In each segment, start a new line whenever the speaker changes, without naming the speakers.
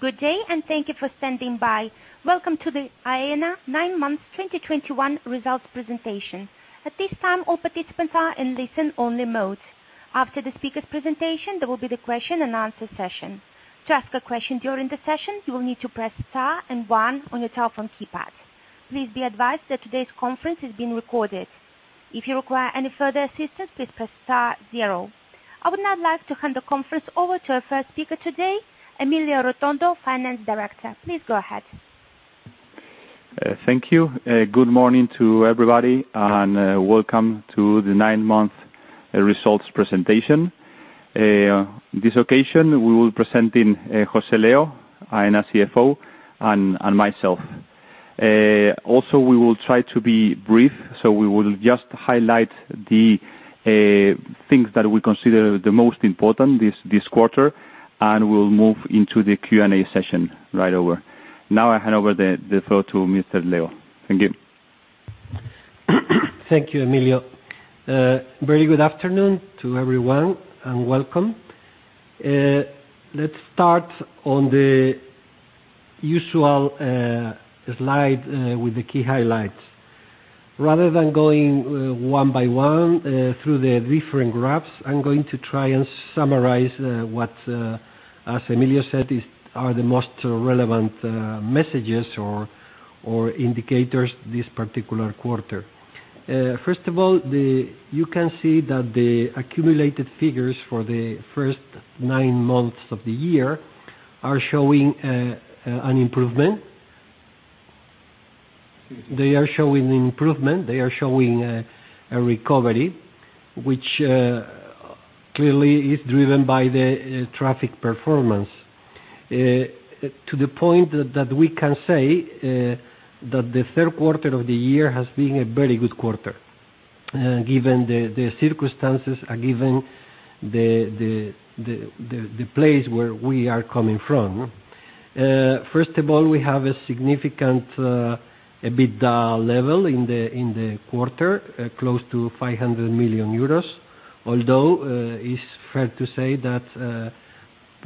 Good day, thank you for standing by. Welcome to the Aena nine months 2021 results presentation. At this time all participants are in listen-only mode. After the speaker's presentation, there will be the question and answer session. To ask a question during the session, you will need to press star and one on your telephone keypad. Please be advised that today's conference is being recorded. If you require any further assistance, please press star zero. I would now like to hand the conference over to our first speaker today, Emilio Rotondo, Finance Director. Please go ahead.
Thank you. Good morning to everybody and welcome to the nine-month results presentation. This occasion, we will presenting José Leo, Aena CFO, and myself. Also, we will try to be brief, so we will just highlight the things that we consider the most important this quarter, and we'll move into the Q&A session right over. Now, I hand over the floor to Mr. Leo. Thank you.
Thank you, Emilio. Very good afternoon to everyone, and welcome. Let's start on the usual slide with the key highlights. Rather than going one by one through the different graphs, I'm going to try and summarize what, as Emilio said, are the most relevant messages or indicators this particular quarter. First of all, you can see that the accumulated figures for the first nine months of the year are showing an improvement. They are showing a recovery, which clearly is driven by the traffic performance. To the point that we can say that the third quarter of the year has been a very good quarter, given the place where we are coming from. First of all, we have a significant EBITDA level in the quarter close to 500 million euros, although it's fair to say that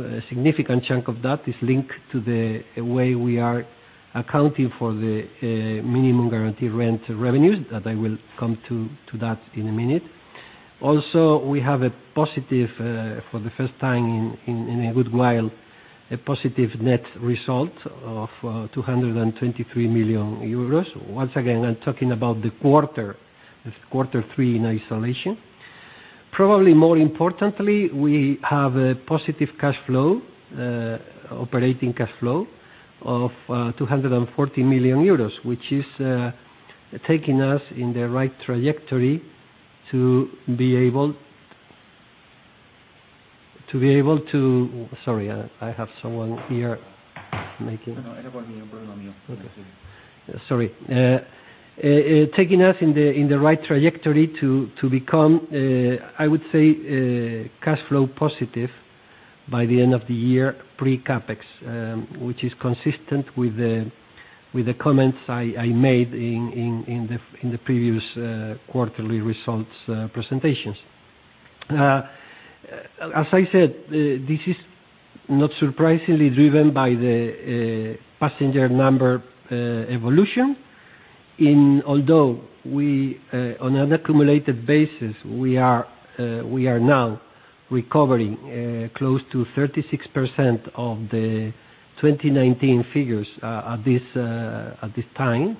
a significant chunk of that is linked to the way we are accounting for the minimum guaranteed rent revenues that I will come to that in a minute. Also, we have a positive, for the first time in a good while, a positive net result of 223 million euros. Once again, I'm talking about the quarter three in isolation. Probably more importantly, we have a positive cash flow, operating cash flow of 240 million euros, which is taking us in the right trajectory to be able to. Sorry, I have someone here making. Taking us in the right trajectory to become, I would say, cash flow positive by the end of the year pre-CapEx, which is consistent with the comments I made in the previous quarterly results presentations. As I said, this is not surprisingly driven by the passenger number evolution, although we, on an accumulated basis, are now recovering close to 36% of the 2019 figures, at this time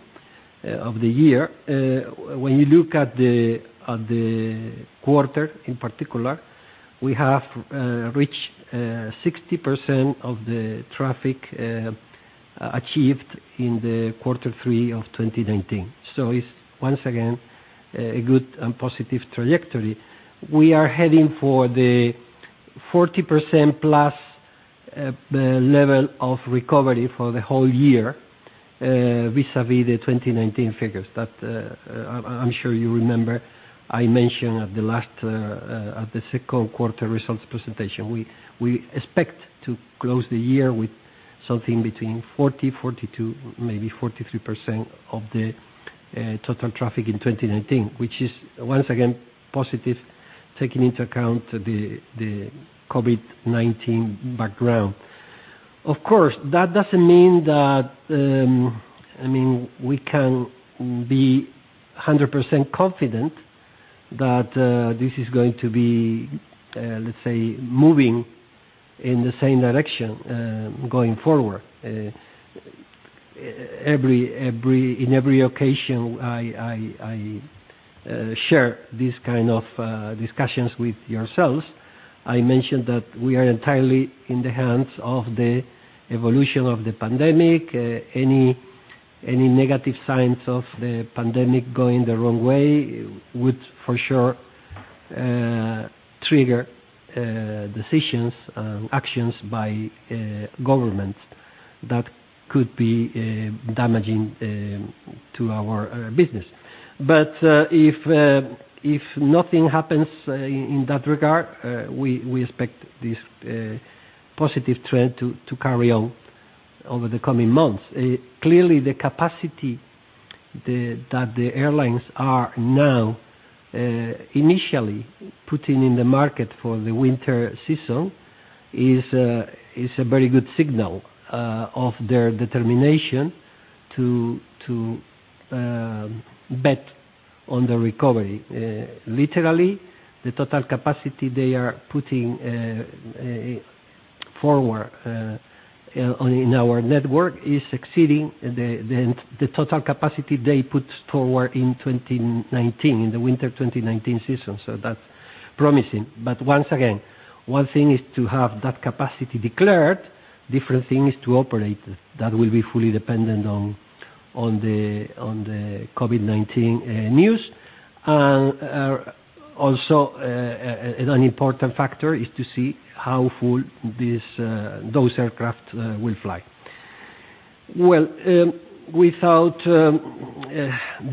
of the year. When you look at the quarter in particular, we have reached 60% of the traffic achieved in Q3 of 2019. It's once again a good and positive trajectory. We are heading for the 40%+ level of recovery for the whole year vis-à-vis the 2019 figures that I'm sure you remember I mentioned at the second-quarter results presentation. We expect to close the year with something between 40, 42, maybe 43% of the total traffic in 2019, which is once again positive, taking into account the COVID-19 background. Of course, that doesn't mean that I mean we can be 100% confident that this is going to be let's say moving in the same direction going forward. In every occasion I share this kind of discussions with yourselves, I mention that we are entirely in the hands of the evolution of the pandemic. Any negative signs of the pandemic going the wrong way would for sure trigger decisions, actions by governments that could be damaging to our business. If nothing happens in that regard, we expect this positive trend to carry on over the coming months. Clearly, the capacity that the airlines are now initially putting in the market for the winter season is a very good signal of their determination to bet on the recovery. Literally, the total capacity they are putting forward online in our network is exceeding the total capacity they put forward in 2019 in the winter 2019 season. That's promising. Once again, one thing is to have that capacity declared, different thing is to operate it. That will be fully dependent on the COVID-19 news. Also, an important factor is to see how full these aircraft will fly. Without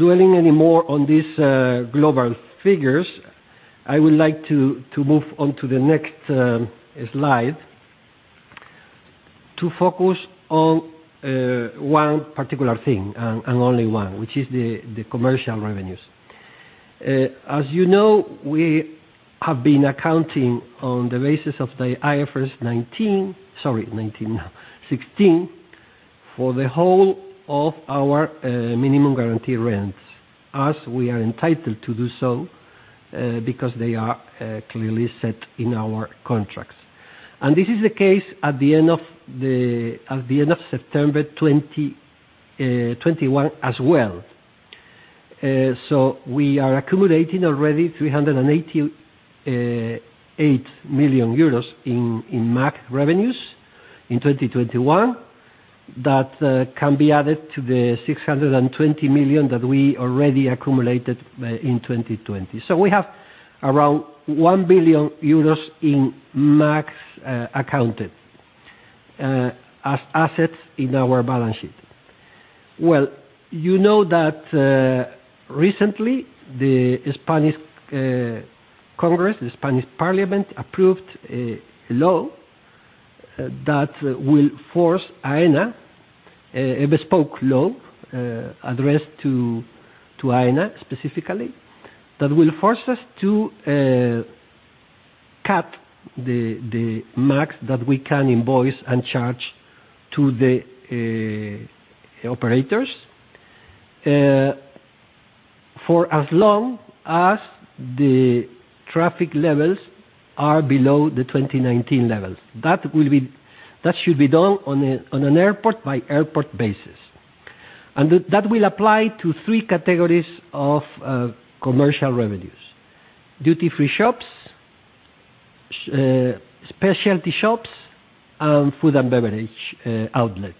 dwelling any more on these global figures, I would like to move on to the next slide to focus on one particular thing, and only one, which is the commercial revenues. As you know, we have been accounting on the basis of the IFRS 16 for the whole of our minimum guarantee rents, as we are entitled to do so, because they are clearly set in our contracts. This is the case at the end of September 2021 as well. We are accumulating already 388 million euros in MAG revenues in 2021 that can be added to the 620 million that we already accumulated in 2020. We have around 1 billion euros in MAGs accounted as assets in our balance sheet. Well, you know that recently the Spanish Congress, the Spanish Parliament, approved a law that will force Aena, a bespoke law, addressed to Aena specifically, that will force us to cut the MAG that we can invoice and charge to the operators, for as long as the traffic levels are below the 2019 levels. That should be done on an airport-by-airport basis. That will apply to three categories of commercial revenues: duty-free shops, specialty shops, and food and beverage outlets.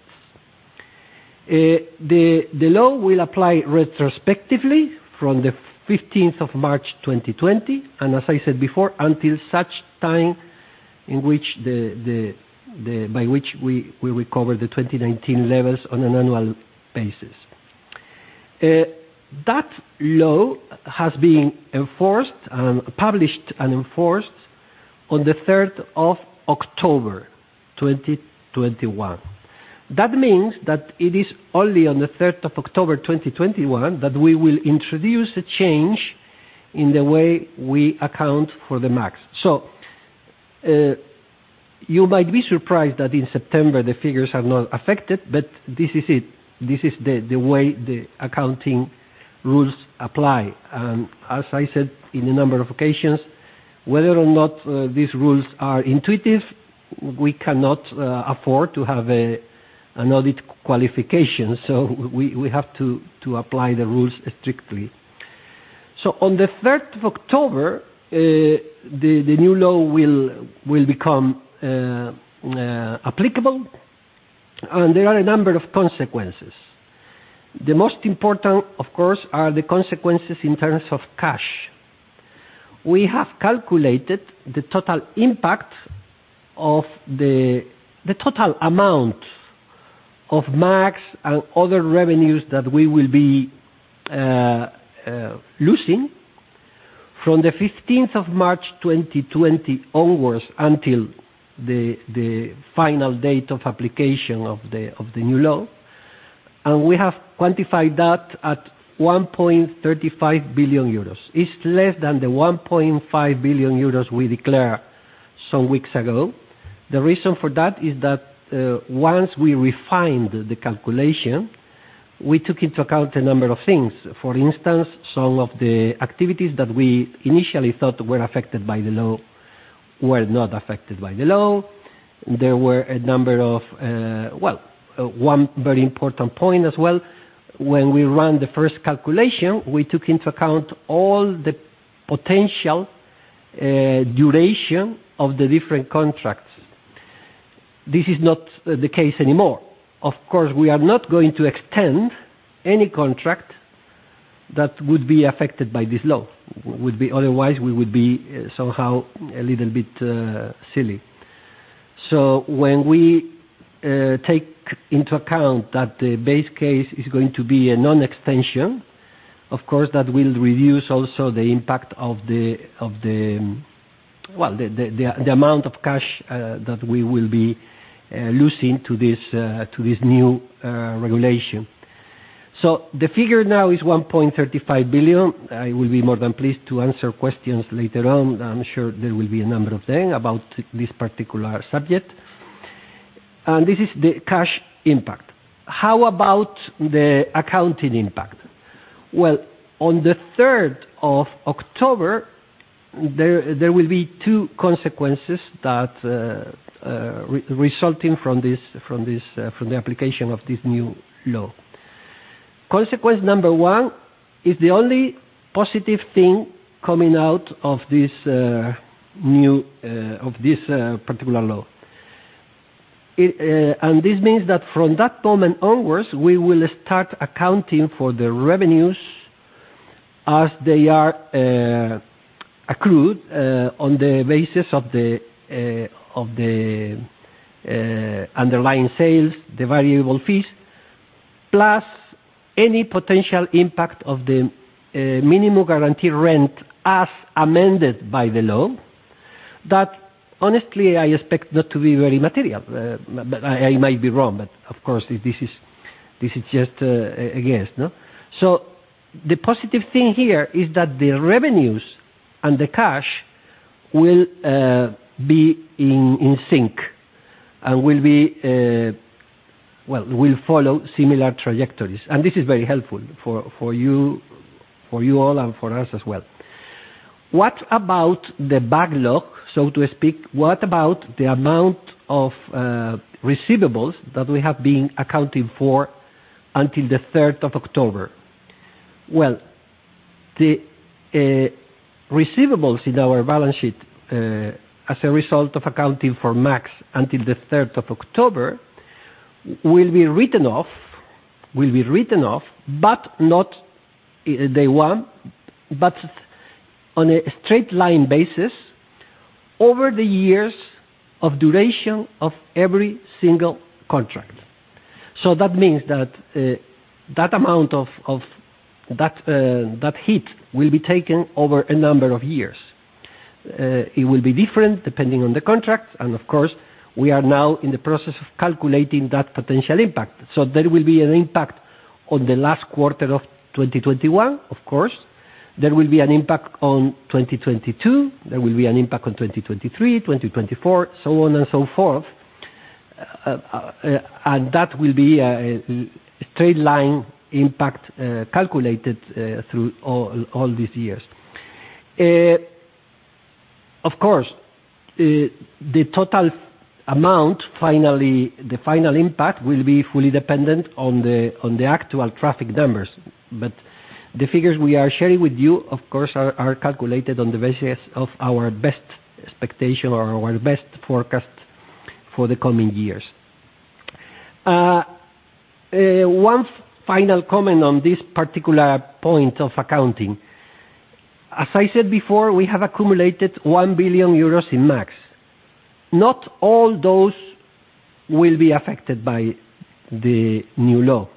The law will apply retrospectively from the fifteenth of March 2020, and as I said before, until such time by which we recover the 2019 levels on an annual basis. That law has been published and enforced on the third of October 2021. That means that it is only on the third of October 2021 that we will introduce a change in the way we account for the MAGs. You might be surprised that in September the figures are not affected, but this is it. This is the way the accounting rules apply. As I said in a number of occasions, whether or not these rules are intuitive, we cannot afford to have an audit qualification, so we have to apply the rules strictly. On the 3rd of October, the new law will become applicable, and there are a number of consequences. The most important, of course, are the consequences in terms of cash. We have calculated the total impact of the total amount of MAGs and other revenues that we will be losing from the 15th of March 2020 onwards until the final date of application of the new law, and we have quantified that at 1.35 billion euros. It's less than the 1.5 billion euros we declare some weeks ago. The reason for that is that, once we refined the calculation, we took into account a number of things. For instance, some of the activities that we initially thought were affected by the law were not affected by the law. There were a number of. Well, one very important point as well, when we ran the first calculation, we took into account all the potential duration of the different contracts. This is not the case anymore. Of course, we are not going to extend any contract that would be affected by this law. Otherwise, we would be somehow a little bit silly. When we take into account that the base case is going to be a non-extension. Of course, that will reduce also the impact of the. Well, the amount of cash that we will be losing to this new regulation. The figure now is 1.35 billion. I will be more than pleased to answer questions later on. I'm sure there will be a number of them about this particular subject. This is the cash impact. How about the accounting impact? Well, on the third of October, there will be two consequences that resulting from the application of this new law. Consequence number one is the only positive thing coming out of this new of this particular law. This means that from that moment onwards, we will start accounting for the revenues as they are accrued on the basis of the underlying sales, the variable fees, plus any potential impact of the minimum guaranteed rent as amended by the law, that honestly I expect not to be very material, but I might be wrong, but of course this is just a guess, no? The positive thing here is that the revenues and the cash will be in sync and will follow similar trajectories. This is very helpful for you all, and for us as well. What about the backlog, so to speak? What about the amount of receivables that we have been accounting for until the third of October? Well, the receivables in our balance sheet, as a result of accounting for MAG until the third of October, will be written off, but not day one, but on a straight-line basis over the years of duration of every single contract. That means that that amount. That hit will be taken over a number of years. It will be different depending on the contract. Of course, we are now in the process of calculating that potential impact. There will be an impact on the last quarter of 2021, of course, there will be an impact on 2022, there will be an impact on 2023, 2024, so on and so forth. That will be a straight-line impact calculated through all these years. Of course, the total amount, finally, the final impact will be fully dependent on the actual traffic numbers. The figures we are sharing with you, of course, are calculated on the basis of our best expectation or our best forecast for the coming years. One final comment on this particular point of accounting. As I said before, we have accumulated 1 billion euros in MAGs. Not all those will be affected by the new law,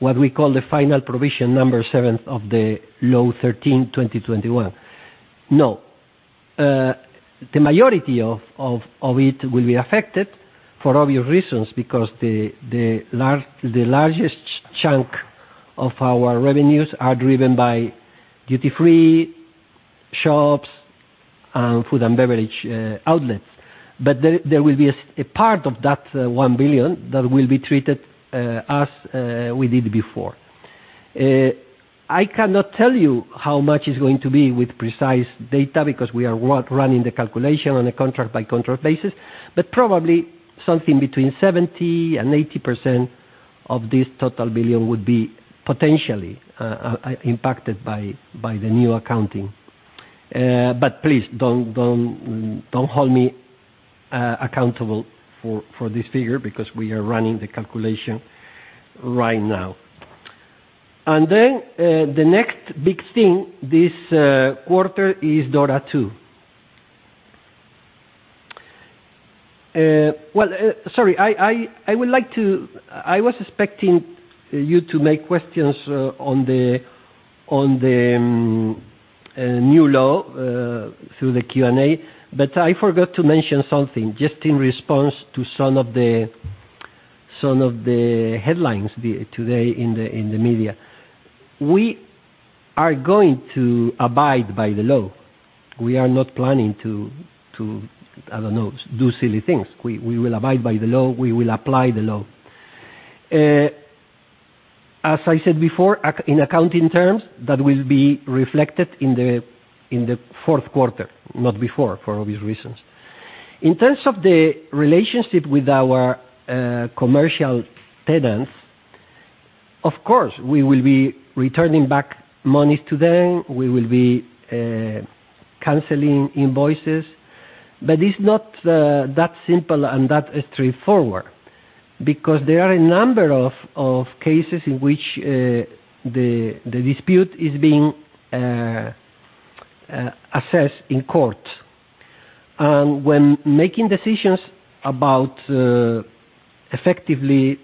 what we call the final provision number seven of Law 13/2021. No, the majority of it will be affected for obvious reasons, because the largest chunk of our revenues are driven by duty-free shops and food and beverage outlets. There will be a part of that 1 billion that will be treated as we did before. I cannot tell you how much is going to be with precise data because we are running the calculation on a contract-by-contract basis, but probably something between 70%-80% of this total 1 billion would be potentially impacted by the new accounting. Please don't hold me accountable for this figure because we are running the calculation right now. Then the next big thing this quarter is DORA 2. Sorry, I would like to. I was expecting you to make questions on the new law through the Q&A, but I forgot to mention something just in response to some of the headlines today in the media. We are going to abide by the law. We are not planning to, I don't know, do silly things. We will abide by the law. We will apply the law. As I said before, in accounting terms, that will be reflected in the fourth quarter, not before, for obvious reasons. In terms of the relationship with our commercial tenants, of course, we will be returning back money to them. We will be canceling invoices. It's not that simple and that straightforward because there are a number of cases in which the dispute is being assessed in court. When making decisions about effectively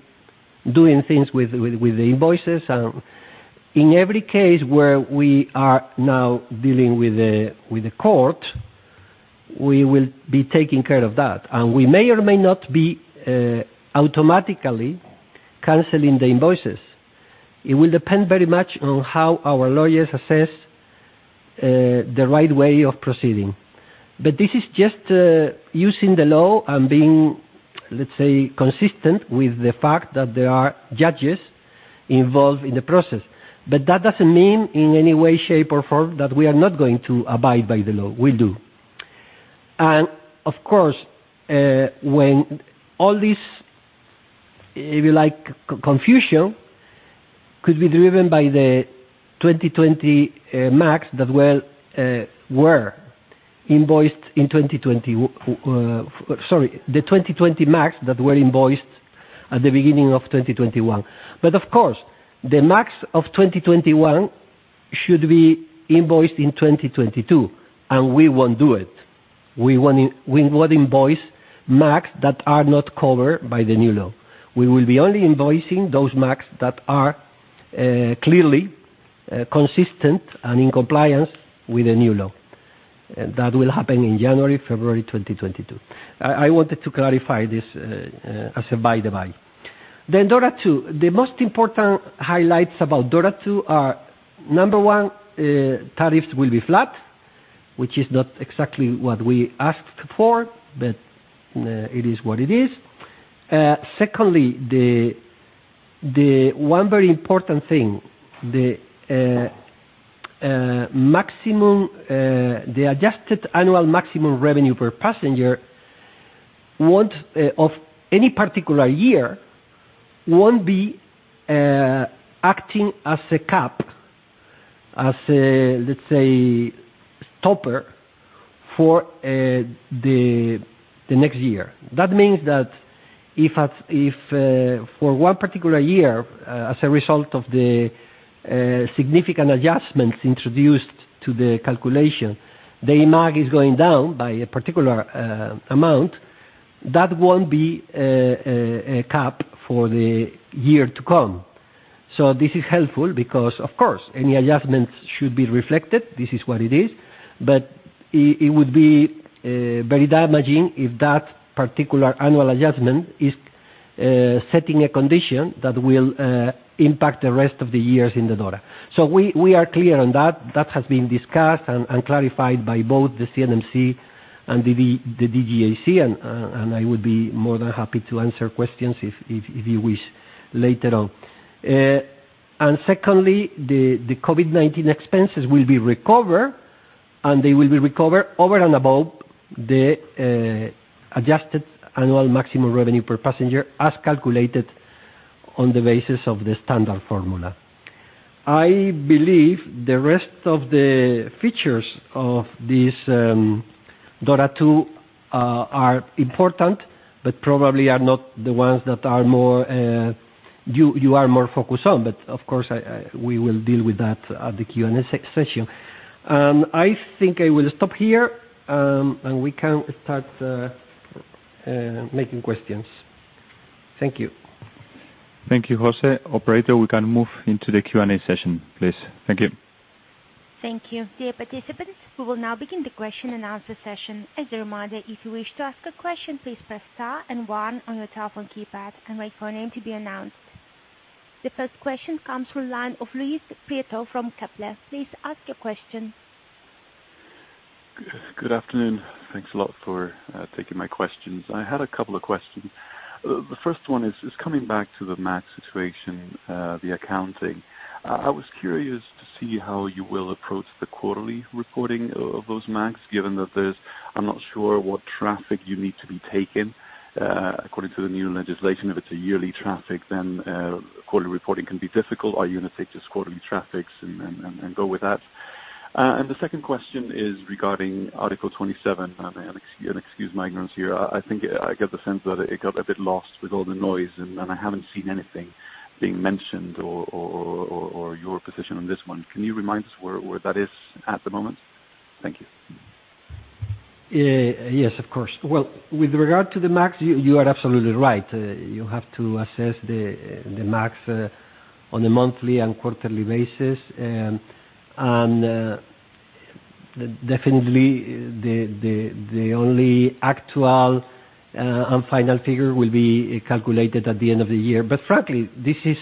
doing things with the invoices, in every case where we are now dealing with a court, we will be taking care of that. We may or may not be automatically canceling the invoices. It will depend very much on how our lawyers assess the right way of proceeding. This is just using the law and being, let's say, consistent with the fact that there are judges involved in the process. That doesn't mean in any way, shape, or form that we are not going to abide by the law. Of course, when all this, if you like, confusion could be driven by the 2020 MAGs that were invoiced in 2020. The 2020 MAGs that were invoiced at the beginning of 2021. Of course, the MAGs of 2021 should be invoiced in 2022, and we won't do it. We won't invoice MAGs that are not covered by the new law. We will be only invoicing those MAGs that are clearly consistent and in compliance with the new law. That will happen in January, February 2022. I wanted to clarify this as a by the by. DORA 2. The most important highlights about DORA 2 are, number one, tariffs will be flat, which is not exactly what we asked for, but it is what it is. Secondly, the one very important thing, the adjusted annual maximum revenue per passenger of any particular year won't be acting as a cap, as a, let's say, stopper for the next year. That means that if for one particular year, as a result of the significant adjustments introduced to the calculation, the IMAAJ is going down by a particular amount, that won't be a cap for the year to come. This is helpful because of course, any adjustments should be reflected. This is what it is. It would be very damaging if that particular annual adjustment is setting a condition that will impact the rest of the years in the DORA. We are clear on that. That has been discussed and clarified by both the CNMC and the DGAC, and I would be more than happy to answer questions if you wish later on. Secondly, the COVID-19 expenses will be recovered, and they will be recovered over and above the adjusted annual maximum revenue per passenger, as calculated on the basis of the standard formula. I believe the rest of the features of this DORA 2 are important, but probably are not the ones that you are more focused on. Of course, we will deal with that at the Q&A session. I think I will stop here, and we can start asking questions. Thank you.
Thank you, José. Operator, we can move into the Q&A session, please. Thank you.
Thank you. Dear participants, we will now begin the question and answer session. As a reminder, if you wish to ask a question, please press star and one on your telephone keypad and wait for your name to be announced. The first question comes from the line of Luis Prieto from Kepler. Please ask your question.
Good afternoon. Thanks a lot for taking my questions. I had a couple of questions. The first one is coming back to the MAG situation, the accounting. I was curious to see how you will approach the quarterly reporting of those MAGs, given that there's I'm not sure what traffic you need to be taking according to the new legislation. If it's a yearly traffic, then quarterly reporting can be difficult. Are you gonna take just quarterly traffics and go with that? The second question is regarding Article 27. Excuse my ignorance here. I think I get the sense that it got a bit lost with all the noise, and I haven't seen anything being mentioned or your position on this one. Can you remind us where that is at the moment? Thank you.
Yes, of course. Well, with regard to the MAGs, you are absolutely right. You have to assess the MAGs on a monthly and quarterly basis. Definitely the only actual and final figure will be calculated at the end of the year. Frankly, this is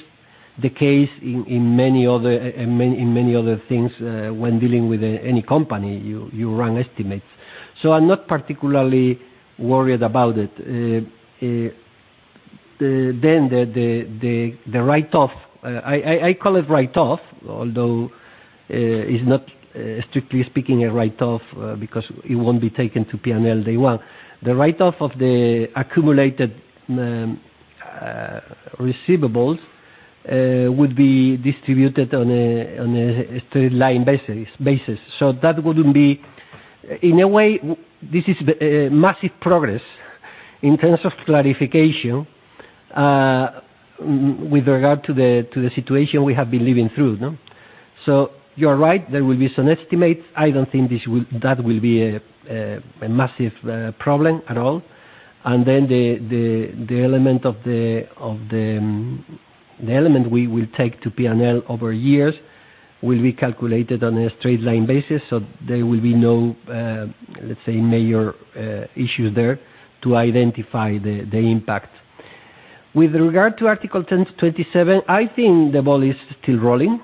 the case in many other things when dealing with any company, you run estimates. I'm not particularly worried about it. The write-off I call it write-off, although it's not strictly speaking a write-off because it won't be taken to P&L day one. The write-off of the accumulated receivables would be distributed on a straight line basis. That wouldn't be. In a way, this is massive progress in terms of clarification with regard to the situation we have been living through, no? You're right, there will be some estimates. I don't think that will be a massive problem at all. The element we will take to P&L over years will be calculated on a straight line basis, so there will be no, let's say, major issue there to identify the impact. With regard to Article 27, I think the ball is still rolling.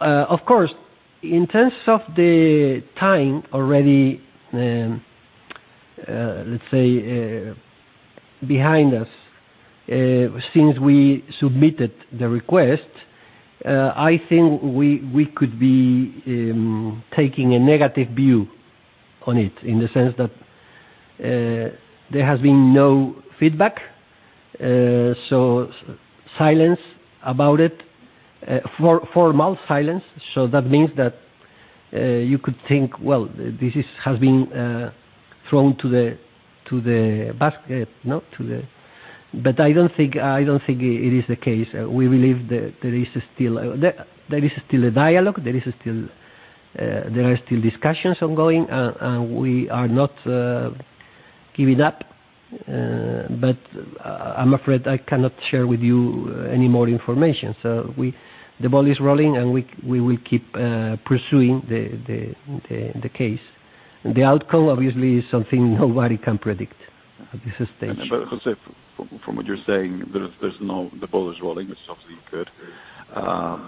Of course, in terms of the time already, let's say, behind us, since we submitted the request, I think we could be taking a negative view on it, in the sense that there has been no feedback, so silence about it, formal silence. That means that you could think, well, this has been thrown to the basket, no, to the. I don't think it is the case. We believe that there is still a dialogue, there are still discussions ongoing, and we are not giving up, but I'm afraid I cannot share with you any more information. The ball is rolling, and we will keep pursuing the case. The outcome, obviously, is something nobody can predict at this stage.
José, from what you're saying, the ball is rolling, which is obviously good.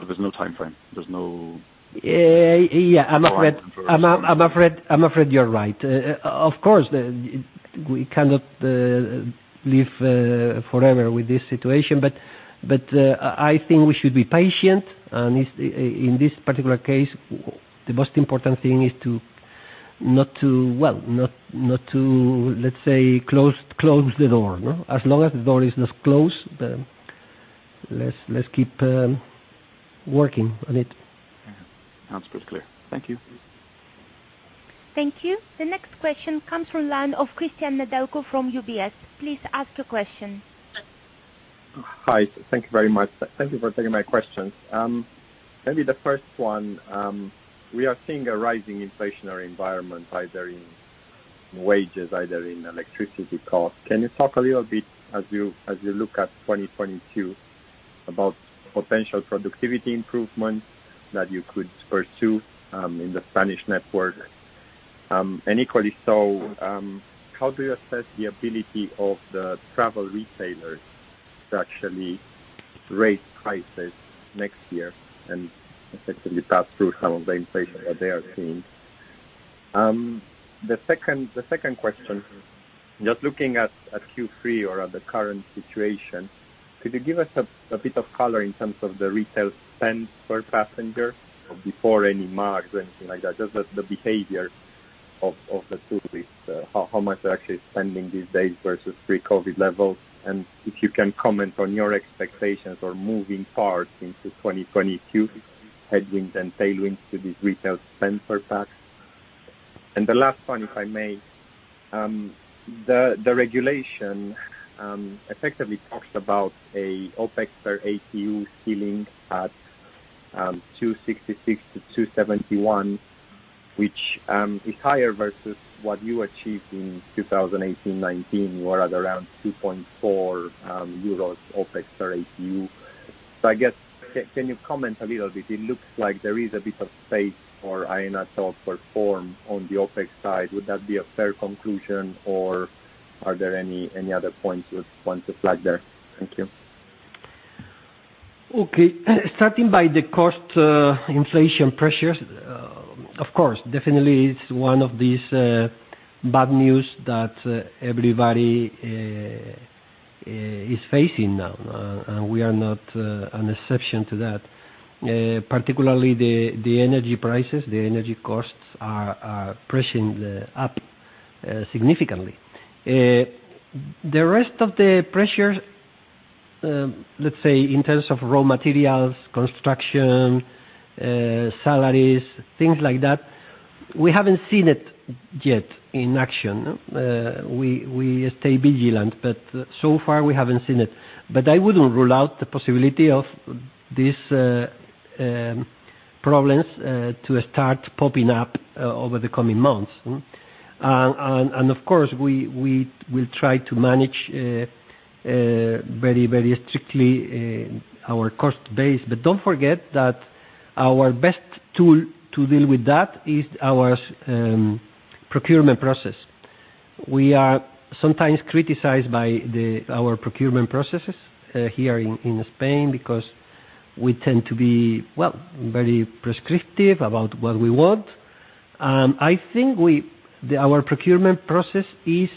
There's no timeframe. There's no-
Yeah. I'm afraid you're right. Of course, we cannot live forever with this situation, but I think we should be patient. In this particular case, the most important thing is not to, well, let's say, close the door, no? As long as the door is not closed, then let's keep working on it.
Sounds pretty clear. Thank you.
Thank you. The next question comes from the line of Cristian Nedelcu from UBS. Please ask your question.
Hi. Thank you very much. Thank you for taking my questions. Maybe the first one, we are seeing a rising inflationary environment, either in wages, either in electricity costs. Can you talk a little bit as you look at 2022 about potential productivity improvements that you could pursue in the Spanish network? And equally so, how do you assess the ability of the travel retailers to actually raise prices next year and effectively pass through some of the inflation that they are seeing? The second question, just looking at Q3 or at the current situation, could you give us a bit of color in terms of the retail spend per passenger before any marks or anything like that? Just the behavior of the tourist, how much they're actually spending these days versus pre-COVID levels, and if you can comment on your expectations or moving parts into 2022, headwinds and tailwinds to this retail spend per pax. The last one, if I may, the regulation effectively talks about an OpEx per APU ceiling at 266-271, which is higher versus what you achieved in 2018, 2019. You are at around 2.4 euros OpEx per APU. So I guess, can you comment a little bit? It looks like there is a bit of space for Aena to perform on the OpEx side. Would that be a fair conclusion, or are there any other points you want to flag there? Thank you.
Okay. Starting by the cost, inflation pressures, of course, definitely it's one of these bad news that everybody is facing now, and we are not an exception to that. Particularly the energy prices, the energy costs are pressing up significantly. The rest of the pressures, let's say in terms of raw materials, construction, salaries, things like that, we haven't seen it yet in action. We stay vigilant, but so far we haven't seen it. I wouldn't rule out the possibility of these problems to start popping up over the coming months? Of course, we will try to manage very strictly our cost base. Don't forget that our best tool to deal with that is our procurement process. We are sometimes criticized by our procurement processes here in Spain, because we tend to be well, very prescriptive about what we want. I think our procurement process is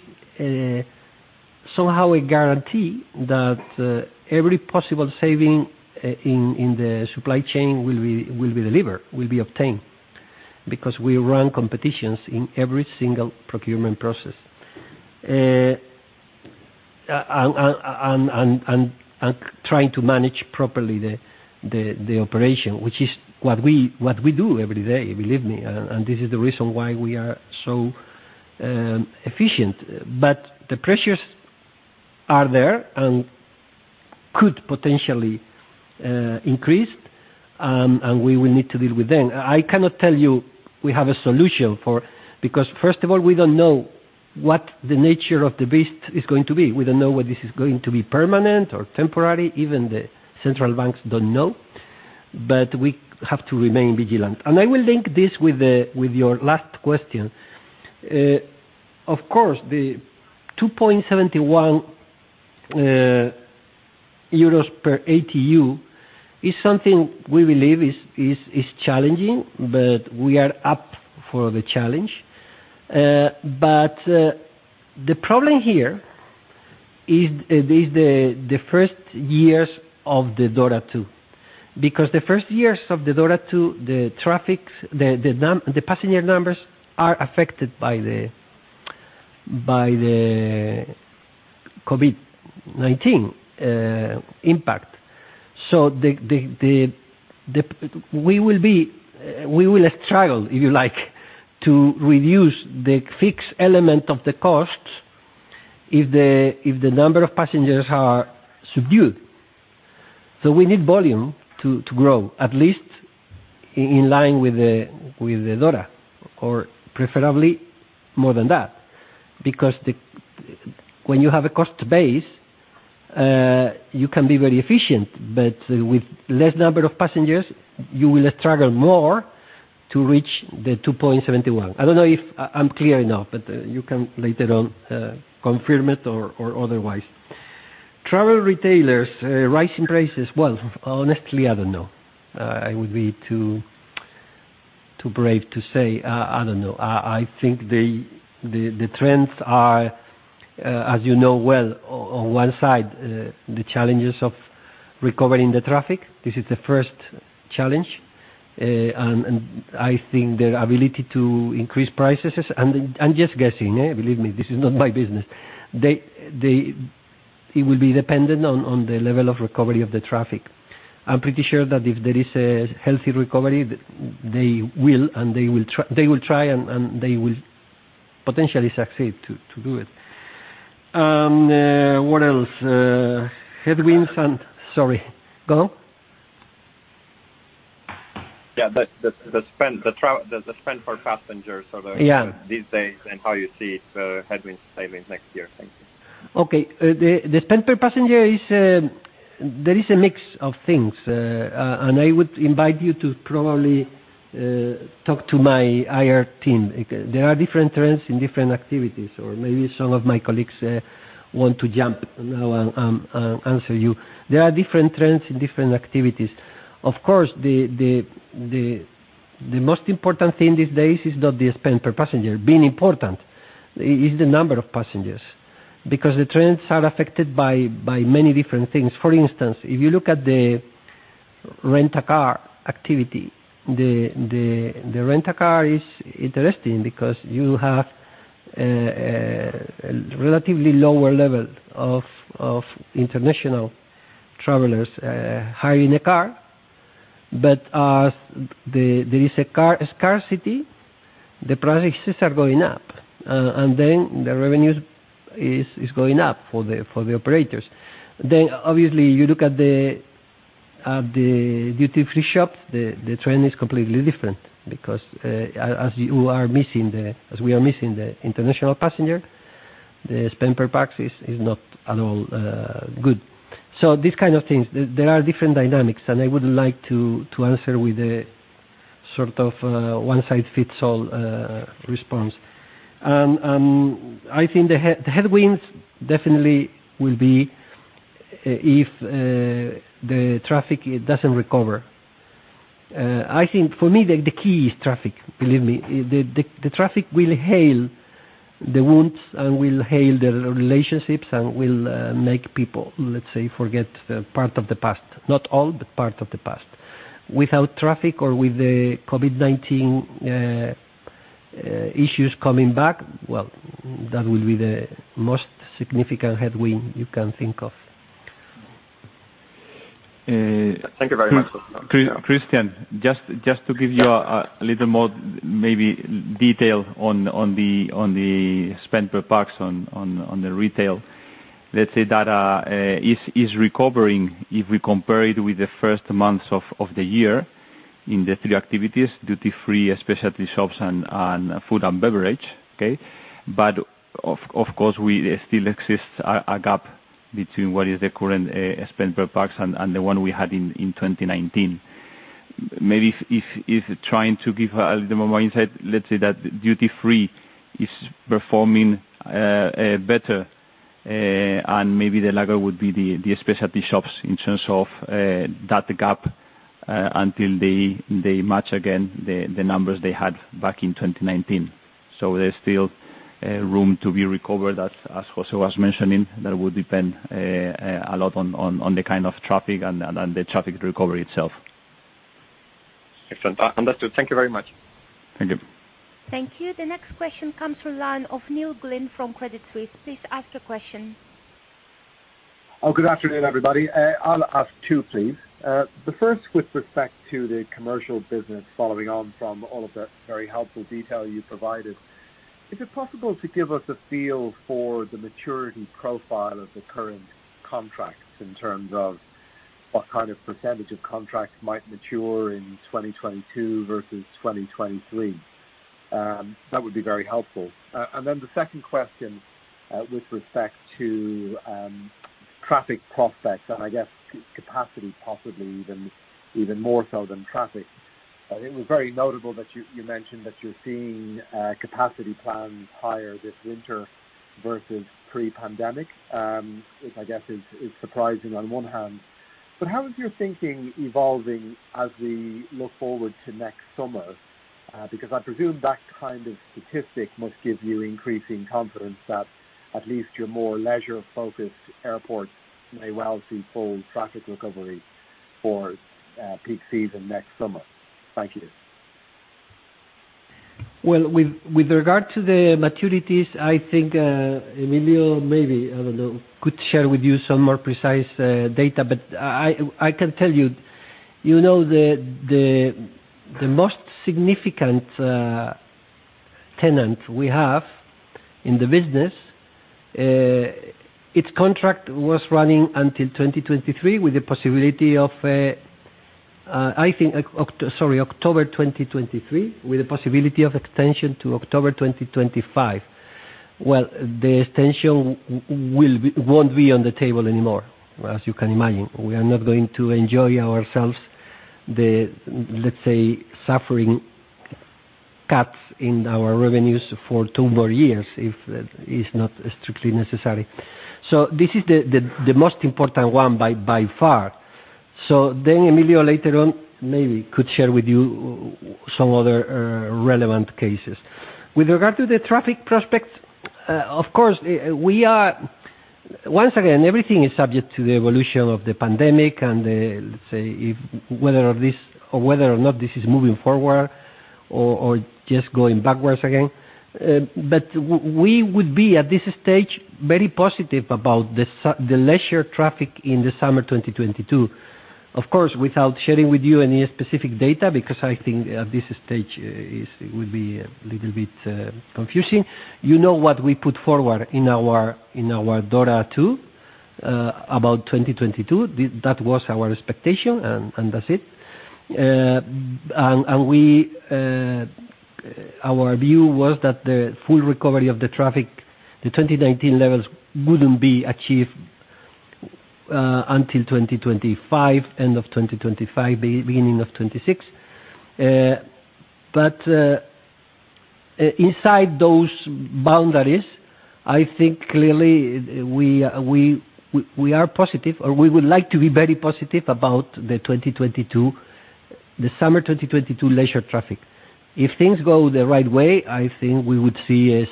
somehow a guarantee that every possible saving in the supply chain will be delivered, will be obtained, because we run competitions in every single procurement process. And trying to manage properly the operation, which is what we do every day, believe me, and this is the reason why we are so efficient. The pressures are there and could potentially increase, and we will need to deal with them. I cannot tell you we have a solution for because first of all, we don't know what the nature of the beast is going to be. We don't know whether this is going to be permanent or temporary. Even the central banks don't know. We have to remain vigilant. I will link this with your last question. Of course, the EUR 2.71 per ATU is something we believe is challenging, but we are up for the challenge. The problem here is the first years of the DORA 2, because the first years of the DORA 2, the traffic, the passenger numbers are affected by the COVID-19 impact. We will struggle, if you like, to reduce the fixed element of the costs if the number of passengers are subdued. We need volume to grow, at least in line with the DORA, or preferably more than that. Because when you have a cost base, you can be very efficient, but with less number of passengers, you will struggle more to reach the 2.71. I don't know if I'm clear enough, but you can later on confirm it or otherwise. Travel retailers rising prices. Well, honestly, I don't know. I would be too brave to say. I don't know. I think the trends are, as you know well, on one side the challenges of recovering the traffic, this is the first challenge. I think their ability to increase prices. Just guessing, believe me, this is not my business. They... It will be dependent on the level of recovery of the traffic. I'm pretty sure that if there is a healthy recovery, they will try and they will potentially succeed to do it. What else? Headwinds and. Sorry. Go.
Yeah. The spend per passenger, so these days and how you see headwinds, sales in next year. Thank you.
Okay. The spend per passenger is a mix of things. I would invite you to probably talk to my IR team. There are different trends in different activities, or maybe some of my colleagues want to jump now and answer you. There are different trends in different activities. Of course, the most important thing these days is not the spend per passenger. Being important is the number of passengers, because the trends are affected by many different things. For instance, if you look at the rent a car activity, the rent a car is interesting because you have a relatively lower level of international travelers hiring a car. There is a car scarcity. The prices are going up, and then the revenues is going up for the operators. Obviously, you look at the duty-free shop, the trend is completely different because as we are missing the international passenger, the spend per pax is not at all good. These kind of things, there are different dynamics, and I wouldn't like to answer with a sort of a one-size-fits-all response. I think the headwinds definitely will be if the traffic doesn't recover. I think for me, the key is traffic, believe me. The traffic will heal the wounds and will heal the relationships and will make people, let's say, forget part of the past. Not all, but part of the past. Without traffic or with the COVID-19, well, that will be the most significant headwind you can think of.
Thank you very much.
Cristian, just to give you a little more maybe detail on the spend per pax on the retail. Let's say that is recovering if we compare it with the first months of the year in the three activities, duty-free, specialty shops and food and beverage, okay? Of course, there still exists a gap between what is the current spend per pax and the one we had in 2019. Maybe trying to give a little more insight, let's say that duty-free is performing better, and maybe the larger would be the specialty shops in terms of that gap until they match again the numbers they had back in 2019. There's still room to be recovered, as José was mentioning. That would depend a lot on the kind of traffic and the traffic recovery itself.
Understood. Thank you very much.
Thank you.
Thank you. The next question comes from the line of Neil Glynn from Credit Suisse. Please ask your question.
Good afternoon, everybody. I'll ask two, please. The first with respect to the commercial business following on from all of the very helpful detail you provided. Is it possible to give us a feel for the maturity profile of the current contracts in terms of what kind of percentage of contracts might mature in 2022 versus 2023? That would be very helpful. And then the second question, with respect to traffic prospects, and I guess capacity possibly even more so than traffic. I think it was very notable that you mentioned that you're seeing capacity plans higher this winter versus pre-pandemic. Which I guess is surprising on one hand. How is your thinking evolving as we look forward to next summer? Because I presume that kind of statistic must give you increasing confidence that at least your more leisure-focused airports may well see full traffic recovery for peak season next summer. Thank you.
Well, with regard to the maturities, I think Emilio, maybe I don't know, could share with you some more precise data. I can tell you know, the most significant tenant we have in the business, its contract was running until 2023 with the possibility of October 2023, with the possibility of extension to October 2025. Well, the extension won't be on the table anymore, as you can imagine. We are not going to enjoy ourselves the, let's say, suffering cuts in our revenues for two more years if it is not strictly necessary. This is the most important one by far. Emilio later on, maybe could share with you some other relevant cases. With regard to the traffic prospects, of course, we are. Once again, everything is subject to the evolution of the pandemic and the, let's say, weather of this or whether or not this is moving forward or just going backwards again. But we would be, at this stage, very positive about the leisure traffic in the summer 2022. Of course, without sharing with you any specific data, because I think at this stage will be a little bit confusing. You know what we put forward in our DORA 2 about 2022. That was our expectation, and that's it. Our view was that the full recovery of the traffic to 2019 levels wouldn't be achieved until 2025, end of 2025, beginning of 2026. Inside those boundaries, I think clearly we are positive, or we would like to be very positive about 2022, the summer 2022 leisure traffic. If things go the right way, I think we would see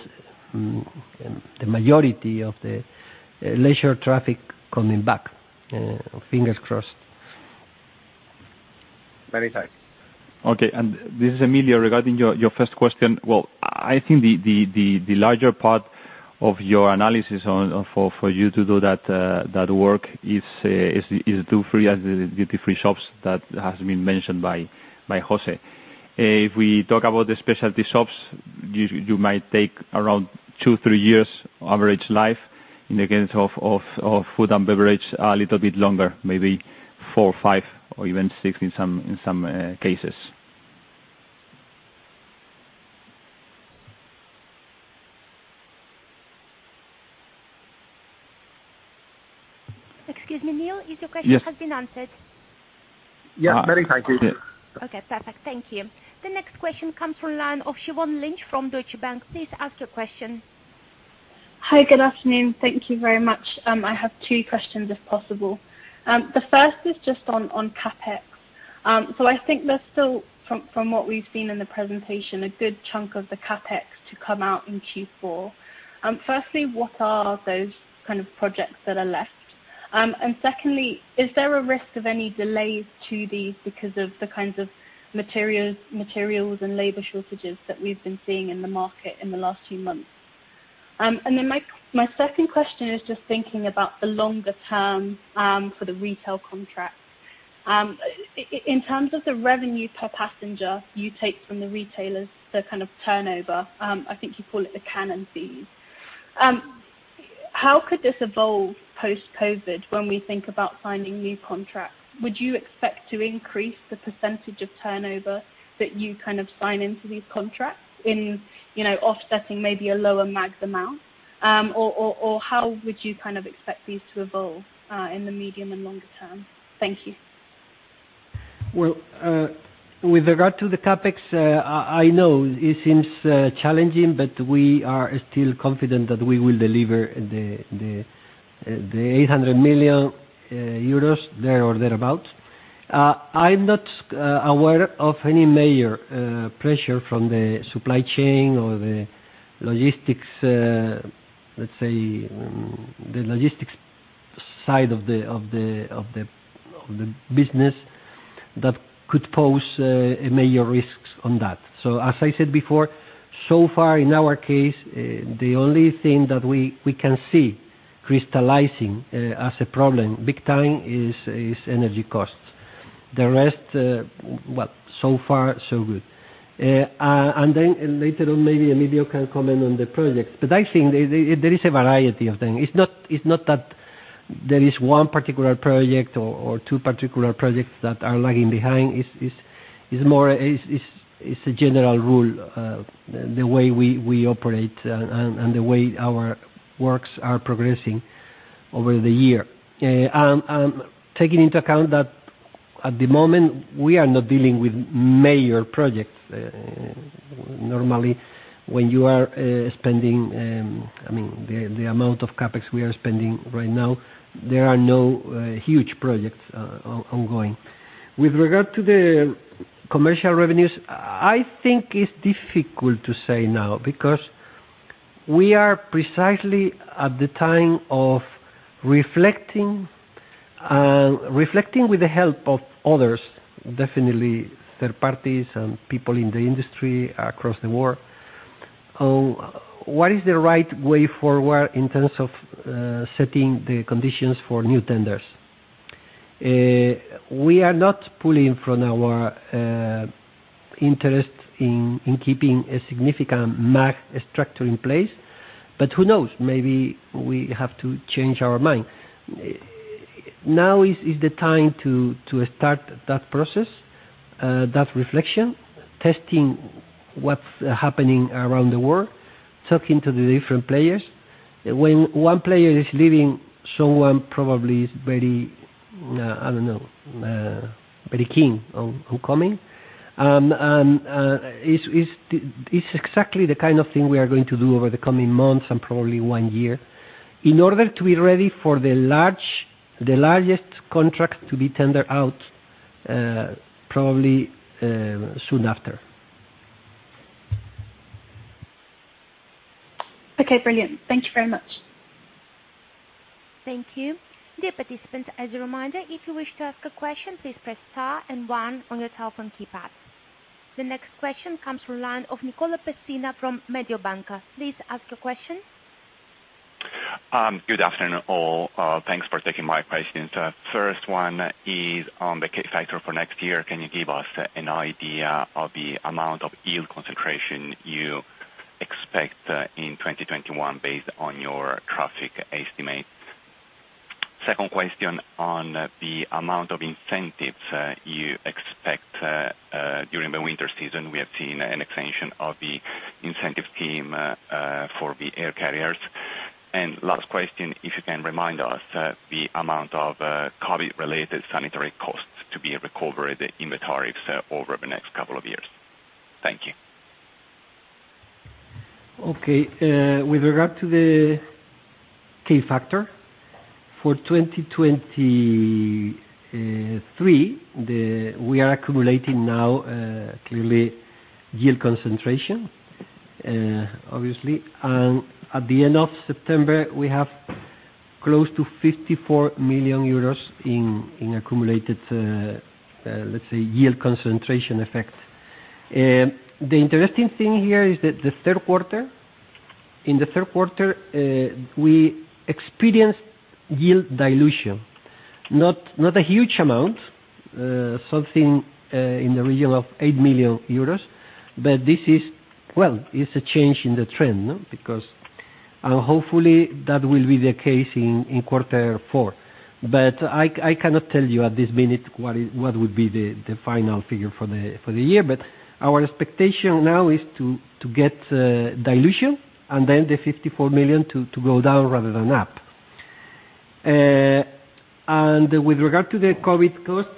the majority of the leisure traffic coming back. Fingers crossed.
Many thanks.
Okay. This is Emilio. Regarding your first question, I think the larger part of your analysis on for you to do that work is to duty-free items and duty-free shops that has been mentioned by José. If we talk about the specialty shops, you might take around two to three years average life. In the case of food and beverage, a little bit longer, maybe four to five, or even six in some cases.
Excuse me, Neil, is your question?
Yes.
Has been answered?
Yeah.
Yeah.
Very, thank you.
Okay, perfect. Thank you. The next question comes from the line of Siobhan Lynch from Deutsche Bank. Please ask your question.
Hi, good afternoon. Thank you very much. I have two questions, if possible. The first is just on CapEx. I think there's still, from what we've seen in the presentation, a good chunk of the CapEx to come out in Q4. Firstly, what are those kind of projects that are left? And secondly, is there a risk of any delays to these because of the kinds of materials and labor shortages that we've been seeing in the market in the last few months? Then my second question is just thinking about the longer term, for the retail contracts. In terms of the revenue per passenger you take from the retailers, the kind of turnover, I think you call it the concession fees. How could this evolve post-COVID when we think about signing new contracts? Would you expect to increase the percentage of turnover that you kind of sign into these contracts in, you know, offsetting maybe a lower max amount? Or how would you kind of expect these to evolve in the medium and longer term? Thank you.
With regard to the CapEx, I know it seems challenging, but we are still confident that we will deliver the 800 million euros there or thereabout. I'm not aware of any major pressure from the supply chain or the logistics, let's say, the logistics side of the business that could pose major risks on that. As I said before, so far in our case, the only thing that we can see crystallizing as a problem big time is energy costs. The rest, well, so far so good. Later on, maybe Emilio can comment on the projects, but I think there is a variety of them. It's not that there is one particular project or two particular projects that are lagging behind. It's more a general rule, the way we operate and the way our works are progressing over the year. Taking into account that at the moment, we are not dealing with major projects. Normally, when you are spending, I mean, the amount of CapEx we are spending right now, there are no huge projects ongoing. With regard to the commercial revenues, I think it's difficult to say now because we are precisely at the time of reflecting with the help of others, definitely third parties and people in the industry across the world, on what is the right way forward in terms of setting the conditions for new tenders. We are not pulling from our interest in keeping a significant MAG structure in place, but who knows? Maybe we have to change our mind. Now is the time to start that process, that reflection, testing what's happening around the world, talking to the different players. When one player is leaving, someone probably is very, I don't know, very keen on coming. It's exactly the kind of thing we are going to do over the coming months and probably one year in order to be ready for the largest contract to be tendered out, probably soon after.
Okay, brilliant. Thank you very much.
Thank you. Dear participants, as a reminder, if you wish to ask a question, please press star and one on your telephone keypad. The next question comes from the line of Nicolo Pessina from Mediobanca. Please ask your question.
Good afternoon, all. Thanks for taking my questions. First one is on the K-factor for next year. Can you give us an idea of the amount of yield concentration you expect in 2021 based on your traffic estimates? Second question on the amount of incentives you expect during the winter season. We have seen an extension of the incentive scheme for the air carriers. Last question, if you can remind us the amount of COVID-related sanitary costs to be recovered in the tariffs over the next couple of years. Thank you.
Okay. With regard to the K-factor, for 2023, we are accumulating now clearly yield concentration, obviously. At the end of September, we have close to 54 million euros in accumulated, let's say, yield concentration effect. The interesting thing here is that in the third quarter, we experienced yield dilution, not a huge amount, something in the region of 8 million euros. This is well, it's a change in the trend because. Hopefully, that will be the case in quarter four. I cannot tell you at this minute what would be the final figure for the year. Our expectation now is to get dilution and then the 54 million to go down rather than up. With regard to the COVID costs,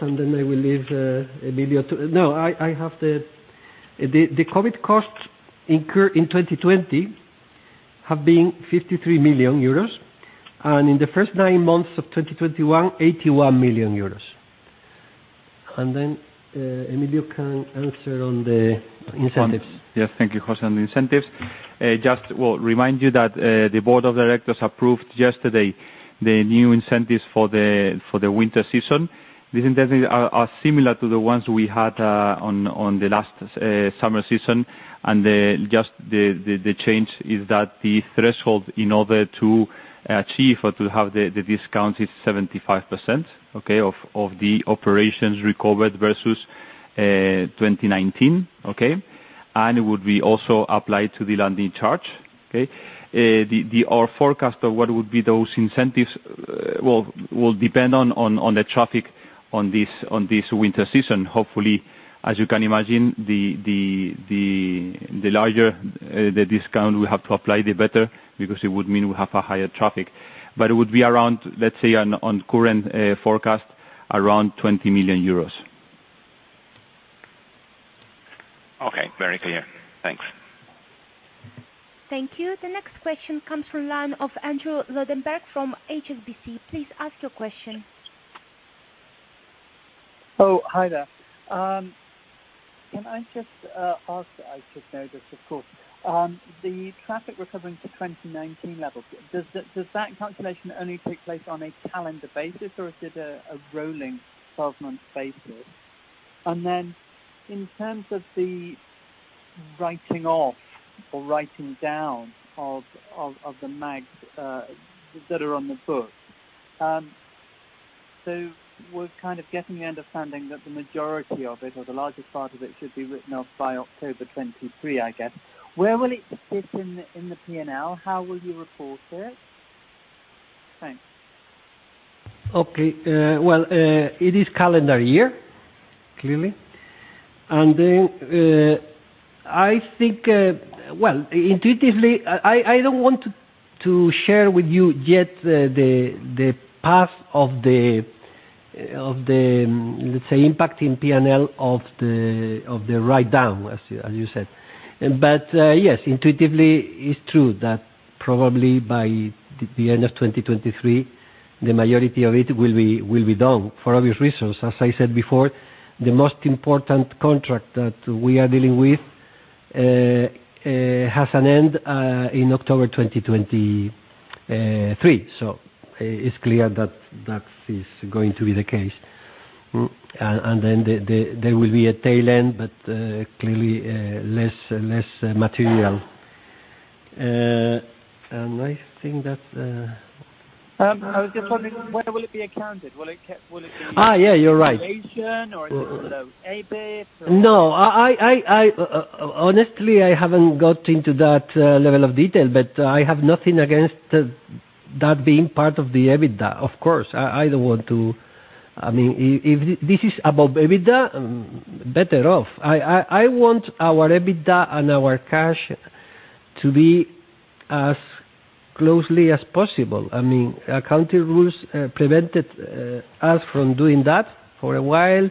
the COVID costs incurred in 2020 have been 53 million euros, and in the first nine months of 2021, 81 million euros. Emilio can answer on the incentives.
Yes. Thank you, José. On the incentives, just we'll remind you that the board of directors approved yesterday the new incentives for the winter season. These incentives are similar to the ones we had on the last summer season. The change is that the threshold in order to achieve or to have the discount is 75%, okay, of the operations recovered versus 2019, okay? It would be also applied to the landing charge, okay? Our forecast of what would be those incentives will depend on the traffic on this winter season. Hopefully, as you can imagine, the larger the discount we have to apply, the better, because it would mean we have a higher traffic. It would be around, let's say, on current forecast, around EUR 20 million.
Okay. Very clear. Thanks.
Thank you. The next question comes from the line of Andrew Lobbenberg from HSBC. Please ask your question.
Oh, hi there. Can I just ask, I should know this, of course. The traffic recovering to 2019 levels. Does that calculation only take place on a calendar basis or is it a rolling twelve-month basis? Then in terms of the writing off or writing down of the MAG that are on the books. We're kind of getting the understanding that the majority of it or the largest part of it should be written off by October 2023, I guess. Where will it fit in the P&L? How will you report it? Thanks.
Okay. Well, it is calendar year, clearly. I think, well, intuitively, I don't want to share with you yet the path of the, let's say, impact in P&L of the write down, as you said. Yes, intuitively, it's true that probably by the end of 2023, the majority of it will be down for obvious reasons. As I said before, the most important contract that we are dealing with has an end in October 2023. It's clear that that is going to be the case. There will be a tail end, but clearly, less material. I think that.
I was just wondering, where will it be accounted?
Yeah, you're right.
Is it below EBIT?
No, I honestly haven't got into that level of detail, but I have nothing against that being part of the EBITDA, of course. I don't want to. I mean, if this is above EBITDA, better off. I want our EBITDA and our cash to be as closely as possible. I mean, accounting rules prevented us from doing that for a while.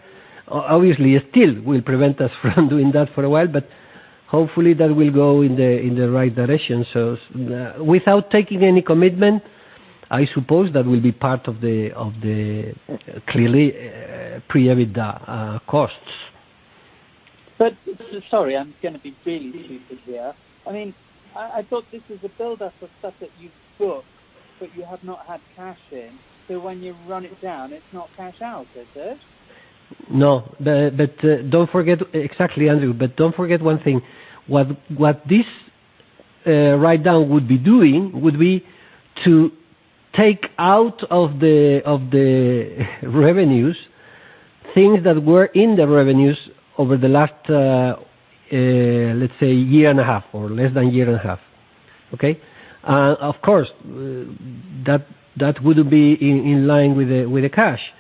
Obviously, it still will prevent us from doing that for a while, but hopefully, that will go in the right direction. Without taking any commitment, I suppose that will be part of the clearly pre-EBITDA costs.
Sorry, I'm gonna be really stupid here. I mean, I thought this was a build-up of stuff that you've booked, but you have not had cash in. When you run it down, it's not cash out, is it?
No. Exactly, Andrew. Don't forget one thing. What this write down would be doing would be to take out of the revenues things that were in the revenues over the last let's say a year and a half or less than a year and a half. Okay. Of course, that wouldn't be in line with the cash.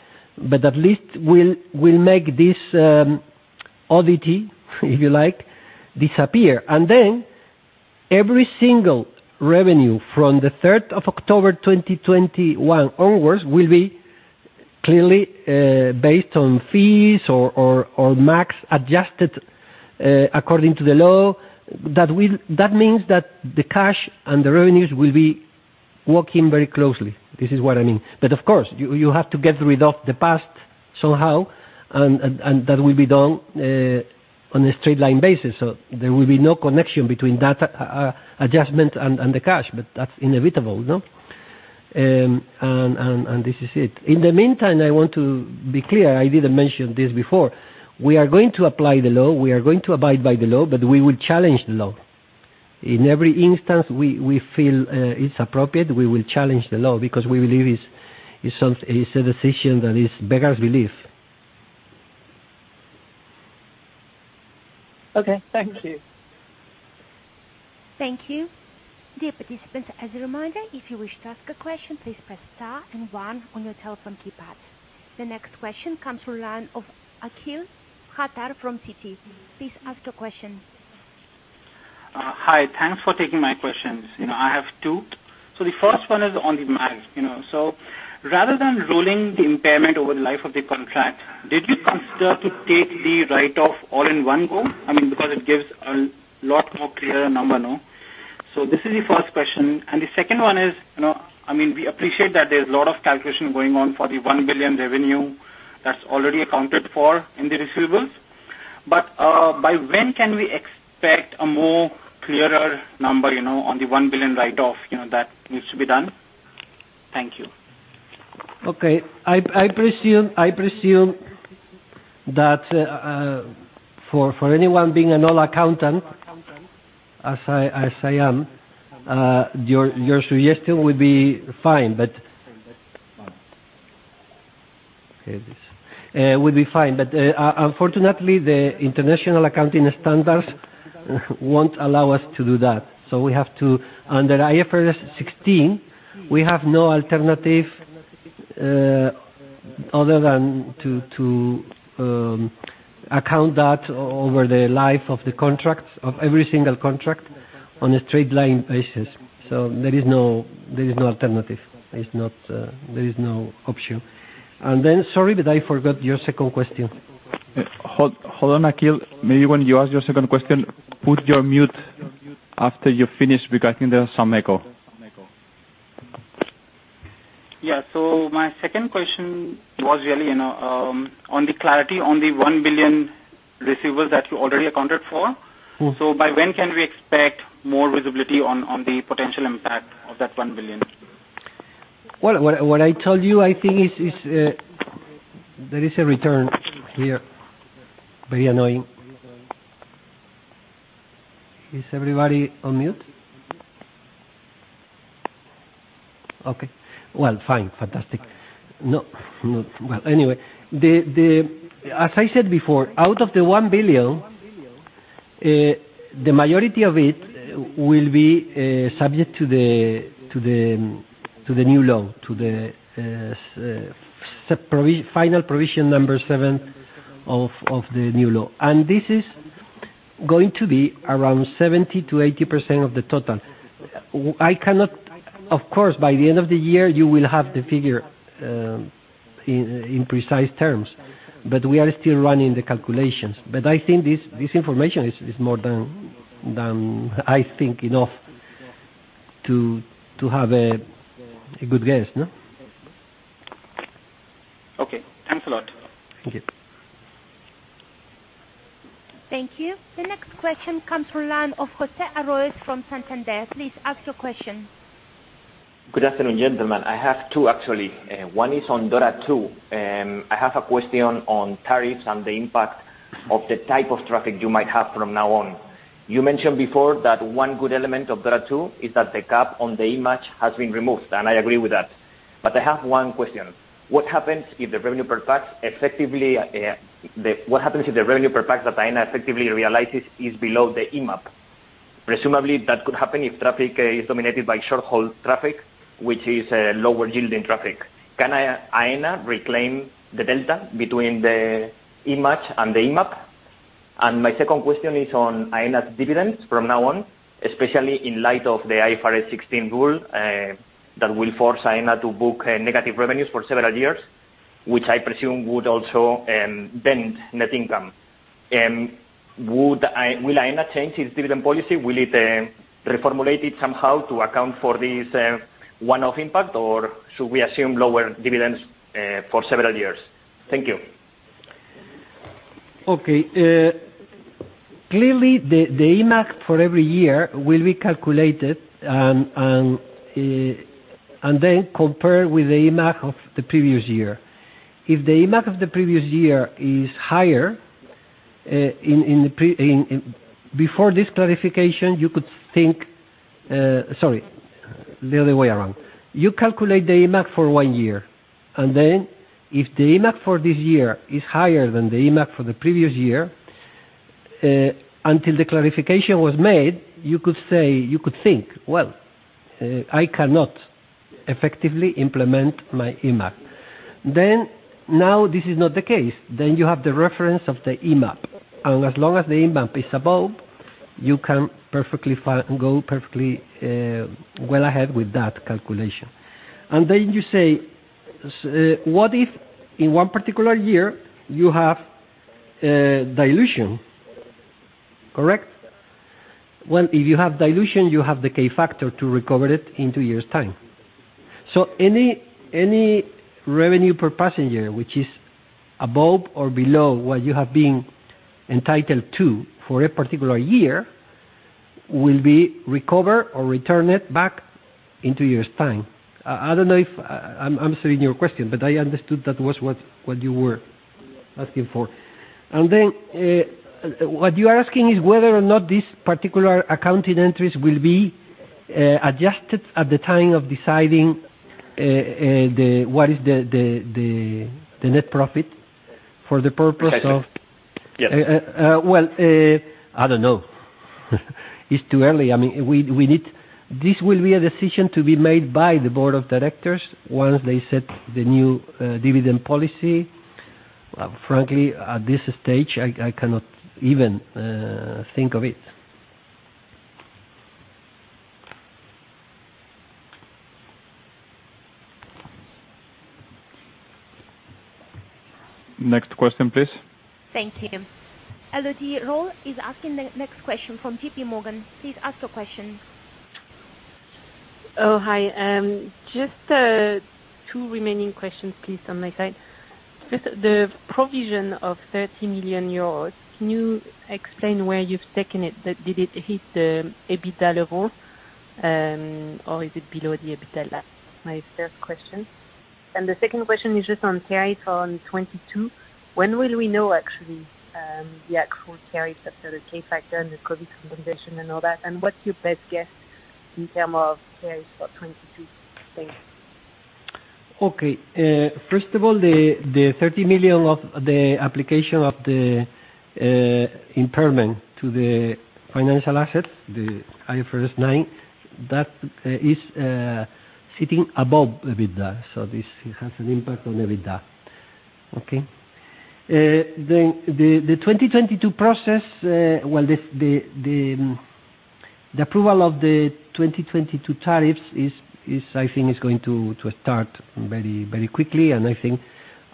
At least we'll make this oddity, if you like, disappear. Then every single revenue from the third of October 2021 onwards will be clearly based on fees or max adjusted according to the law. That means that the cash and the revenues will be working very closely. This is what I mean. Of course, you have to get rid of the past somehow, and that will be done on a straight line basis. There will be no connection between that adjustment and the cash, but that's inevitable, no? And this is it. In the meantime, I want to be clear, I didn't mention this before. We are going to apply the law, we are going to abide by the law, but we will challenge the law. In every instance, we feel it's appropriate, we will challenge the law because we believe it's some. It's a decision that is beggars belief.
Okay. Thank you.
Thank you. Dear participants, as a reminder, if you wish to ask a question, please press star and one on your telephone keypad. The next question comes from the line of Akhil Khatri from Citi. Please ask your question.
Hi. Thanks for taking my questions. You know, I have two. The first one is on the MAG, you know. Rather than rolling the impairment over the life of the contract, did you consider to take the write-off all in one go? I mean, because it gives a lot more clearer number, no? This is the first question. The second one is, you know, I mean, we appreciate that there's a lot of calculation going on for the 1 billion revenue that's already accounted for in the receivables. By when can we expect a more clearer number, you know, on the 1 billion write-off, you know, that needs to be done? Thank you.
I presume that for anyone being an old accountant, as I am, your suggestion would be fine, but unfortunately, the international accounting standards won't allow us to do that. We have to under IFRS 16, we have no alternative other than to account that over the life of the contracts, of every single contract on a straight line basis. There is no alternative. There's no option. Sorry, but I forgot your second question.
Hold on, Akhil. Maybe when you ask your second question, put your mute after you finish because I think there's some echo.
Yeah. My second question was really, you know, on the clarity on the 1 billion receivables that you already accounted for. By when can we expect more visibility on the potential impact of that 1 billion?
Well, what I told you, I think, is. There is a return here. Very annoying. Is everybody on mute? Okay. Well, fine. Fantastic. No, no. Well, anyway. The. As I said before, out of the 1 billion, the majority of it will be subject to the new law, the final provision number seven of the new law. This is going to be around 70%-80% of the total. Of course, by the end of the year, you will have the figure in precise terms, but we are still running the calculations. I think this information is more than I think enough to have a good guess, no?
Okay. Thanks a lot.
Thank you.
Thank you. The next question comes from the line of José Manuel Arroyas from Santander. Please ask your question.
Good afternoon, gentlemen. I have two, actually. One is on DORA 2. I have a question on tariffs and the impact of the type of traffic you might have from now on. You mentioned before that one good element of DORA 2 is that the cap on the IMAAJ has been removed, and I agree with that. I have one question. What happens if the revenue per pax that Aena effectively realizes is below the IMAP? Presumably, that could happen if traffic is dominated by short-haul traffic, which is a lower yielding traffic. Can Aena reclaim the delta between the IMAAJ and the IMAP? My second question is on Aena's dividends from now on, especially in light of the IFRS 16 rule that will force Aena to book negative revenues for several years, which I presume would also dent net income. Will Aena change its dividend policy? Will it reformulate it somehow to account for this one-off impact, or should we assume lower dividends for several years? Thank you.
Okay. Clearly, the IMAAJ for every year will be calculated and then compared with the IMAAJ of the previous year. If the IMAAJ of the previous year is higher, before this clarification, you could think. Sorry, the other way around. You calculate the IMAAJ for one year, and then if the IMAAJ for this year is higher than the IMAAJ for the previous year, until the clarification was made, you could say, you could think, "Well, I cannot effectively implement my IMAAJ." Now this is not the case. You have the reference of the IMAP. As long as the IMAP is above, you can go perfectly well ahead with that calculation. Then you say, what if in one particular year you have dilution? Correct? Well, if you have dilution, you have the K-factor to recover it in two years' time. So any revenue per passenger, which is above or below what you have been entitled to for a particular year, will be recover or return it back in two years' time. I don't know if I'm answering your question, but I understood that was what you were asking for. What you are asking is whether or not these particular accounting entries will be adjusted at the time of deciding what is the net profit for the purpose of.
Yes.
Well, I don't know. It's too early. I mean, we need this to be a decision to be made by the board of directors once they set the new dividend policy. Frankly, at this stage, I cannot even think of it.
Next question, please.
Thank you. Elodie Rall is asking the next question from JPMorgan. Please ask your question.
Oh, hi. Just two remaining questions please on my side. First, the provision of 30 million euros, can you explain where you've taken it? Did it hit the EBITDA level, or is it below the EBITDA? That's my first question. The second question is just on tariffs on 2022. When will we know actually the actual tariffs after the K-factor and the COVID compensation and all that? What's your best guess in terms of tariffs for 2022? Thanks.
Okay. First of all, the 30 million of the application of the impairment to the financial assets, the IFRS 9, that is sitting above EBITDA. So this has an impact on EBITDA. Okay? The 2022 process, well, the approval of the 2022 tariffs is, I think, going to start very, very quickly. I think,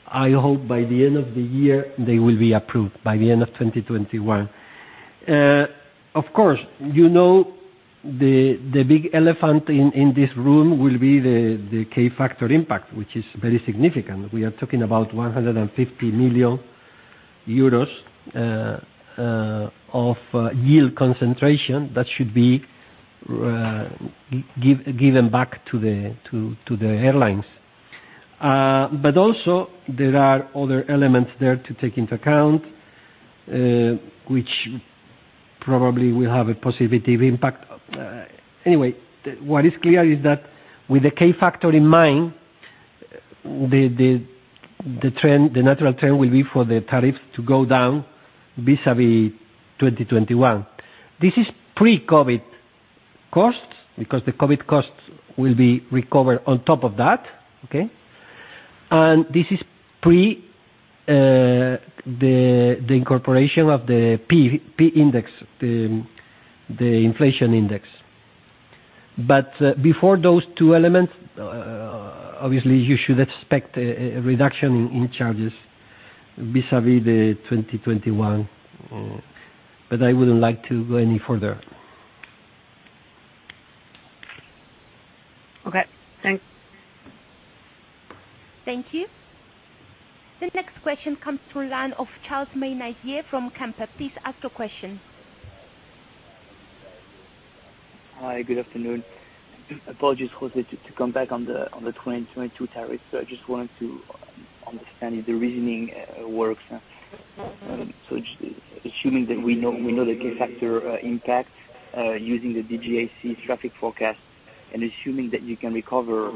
I hope by the end of the year, they will be approved, by the end of 2021. Of course, you know, the big elephant in this room will be the K-factor impact, which is very significant. We are talking about 150 million euros of yield concentration that should be given back to the airlines. Also there are other elements there to take into account, which probably will have a positive impact. Anyway, what is clear is that with the K-factor in mind, the natural trend will be for the tariffs to go down vis-à-vis 2021. This is pre-COVID costs because the COVID costs will be recovered on top of that. Okay? This is pre the incorporation of the PPI, the inflation index. Before those two elements, obviously you should expect a reduction in charges vis-à-vis 2021, but I wouldn't like to go any further.
Okay, thanks.
Thank you. The next question comes from the line of Charles Maynadier from Kempen. Please ask your question.
Hi, good afternoon. Apologies, José, to come back on the 2022 tariffs. I just wanted to understand if the reasoning works. Assuming that we know the K-factor impact using the DGAC traffic forecast, and assuming that you can recover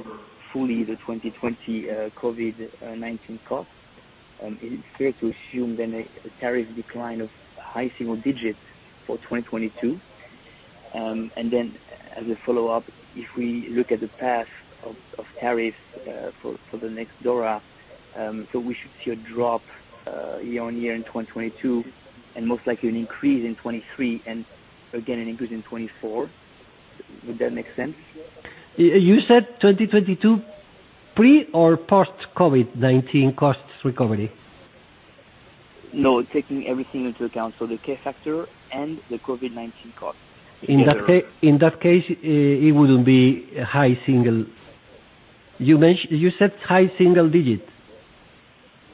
fully the 2020 COVID-19 costs, it's fair to assume then a tariff decline of high single digits for 2022. As a follow-up, if we look at the path of tariffs for the next DORA, we should see a drop year-on-year in 2022, and most likely an increase in 2023 and again an increase in 2024. Would that make sense?
You said 2022 pre or post COVID-19 costs recovery?
No, taking everything into account. The K-factor and the COVID-19 costs together.
In that case, it wouldn't be high single, you said high single digit?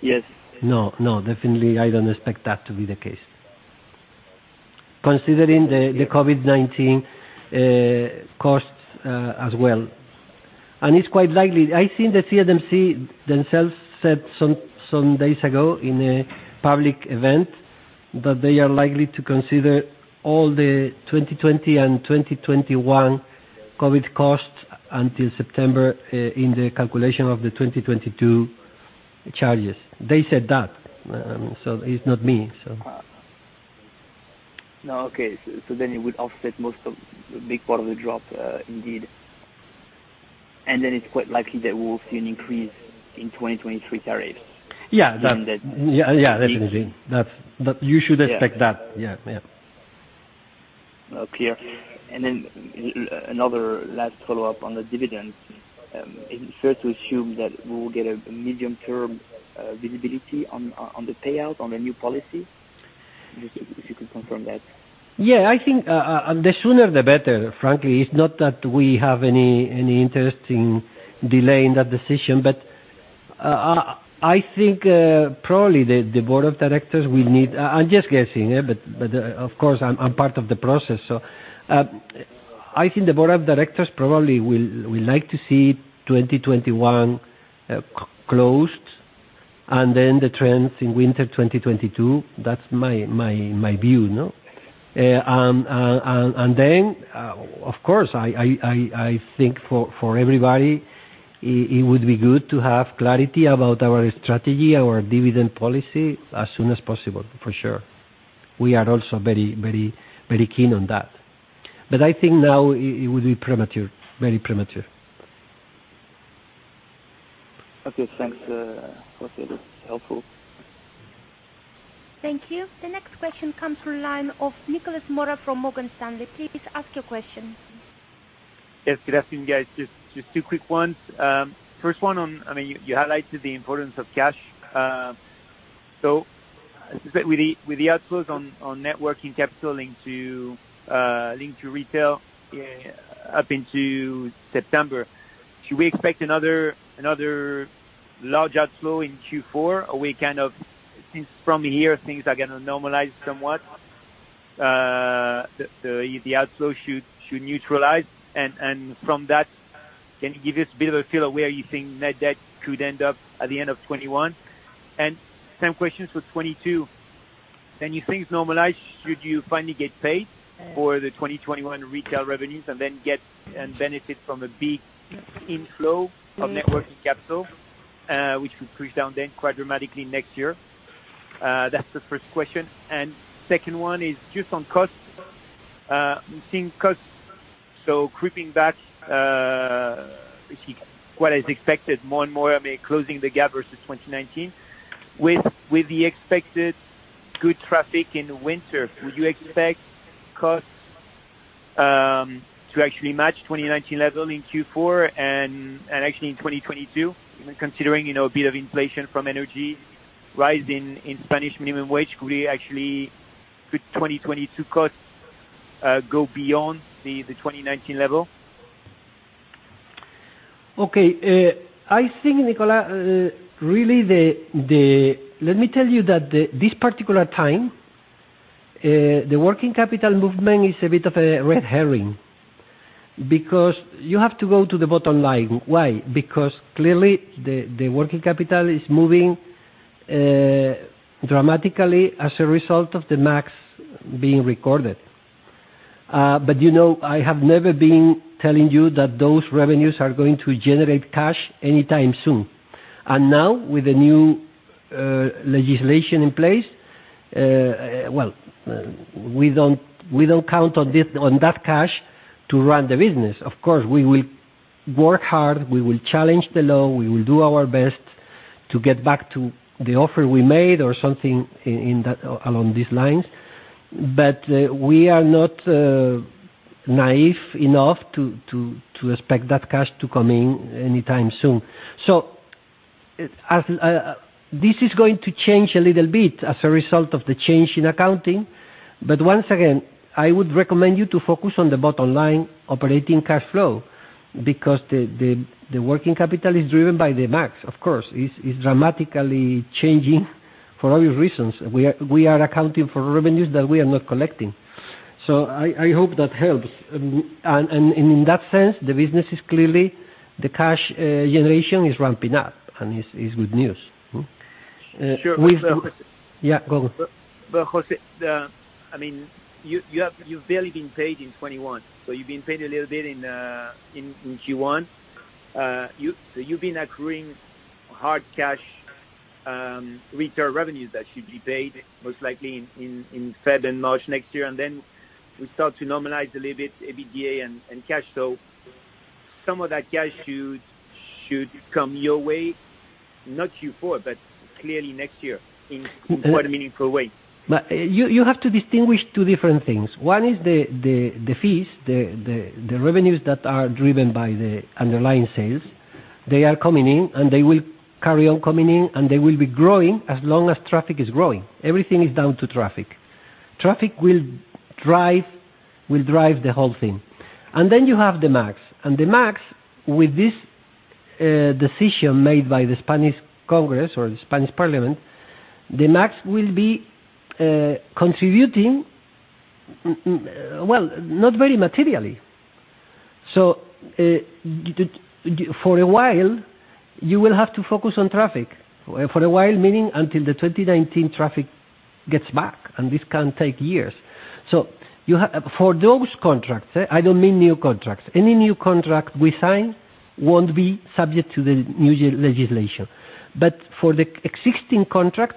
Yes.
No, no, definitely I don't expect that to be the case considering the COVID-19 costs as well. It's quite likely. I think the CNMC themselves said some days ago in a public event that they are likely to consider all the 2020 and 2021 COVID costs until September in the calculation of the 2022 charges. They said that, so it's not me.
No. Okay. So then it would offset most of the big part of the drop, indeed. It's quite likely that we'll see an increase in 2023 tariffs.
Yeah. Yeah. Yeah, definitely.
Yeah.
Expect that. Yeah.
Oh, clear. Then another last follow-up on the dividend. Is it fair to assume that we will get a medium-term visibility on the payout on the new policy? Just if you could confirm that.
Yeah, I think and the sooner the better, frankly. It's not that we have any interest in delaying that decision, but I think probably the board of directors will need. I'm just guessing, yeah, but of course, I'm part of the process. I think the board of directors probably will like to see 2021 closed and then the trends in winter 2022. That's my view, no? Then, of course, I think for everybody, it would be good to have clarity about our strategy, our dividend policy as soon as possible, for sure. We are also very keen on that. I think now it would be premature, very premature.
Okay, thanks, José. That's helpful.
Thank you. The next question comes from the line of Nicolas Mora from Morgan Stanley. Please ask your question.
Yes, good afternoon, guys. Just two quick ones. First one on, I mean, you highlighted the importance of cash. So with the outflows on net working capital linked to retail up into September, should we expect another large outflow in Q4? Or, since from here things are gonna normalize somewhat, the outflow should neutralize. From that, can you give us a bit of a feel of where you think net debt could end up at the end of 2021? Same questions for 2022. When things normalize, should you finally get paid for the 2021 retail revenues and then benefit from a big inflow of net working capital, which will decrease down then quite dramatically next year? That's the first question. Second one is just on costs. We've seen costs so creeping back, let's see, what is expected more and more, I mean, closing the gap versus 2019. With the expected good traffic in the winter, would you expect costs to actually match 2019 level in Q4 and actually in 2022, considering, you know, a bit of inflation from energy rising in Spanish minimum wage, could we actually? Could 2022 costs go beyond the 2019 level?
I think, Nicolo, really let me tell you that this particular time the working capital movement is a bit of a red herring because you have to go to the bottom line. Why? Because clearly the working capital is moving dramatically as a result of the MAX being recorded. You know, I have never been telling you that those revenues are going to generate cash anytime soon. Now with the new legislation in place, well, we don't count on that cash to run the business. Of course, we will work hard, we will challenge the law, we will do our best to get back to the offer we made or something in that along these lines. We are not naive enough to expect that cash to come in anytime soon. As this is going to change a little bit as a result of the change in accounting. Once again, I would recommend you to focus on the bottom line operating cash flow because the working capital is driven by the MAX. Of course, it's dramatically changing for obvious reasons. We are accounting for revenues that we are not collecting. I hope that helps. And in that sense, the business is clearly the cash generation is ramping up, and it's good news.
Sure.
Yeah, go on.
José, I mean, you've barely been paid in 2021, so you've been paid a little bit in Q1. So you've been accruing hard cash retail revenues that should be paid most likely in February and March next year. Then we start to normalize a little bit EBITDA and cash. So some of that cash should come your way, not Q4, but clearly next year in quite a meaningful way.
You have to distinguish two different things. One is the fees, the revenues that are driven by the underlying sales. They are coming in, and they will carry on coming in, and they will be growing as long as traffic is growing. Everything is down to traffic. Traffic will drive the whole thing. Then you have the MAGs. The MAGs, with this decision made by the Spanish Congress or the Spanish Parliament, the MAGs will be contributing, well, not very materially. For a while, you will have to focus on traffic. For a while, meaning until the 2019 traffic gets back, and this can take years. For those contracts, I don't mean new contracts. Any new contract we sign won't be subject to the new legislation. For the existing contracts,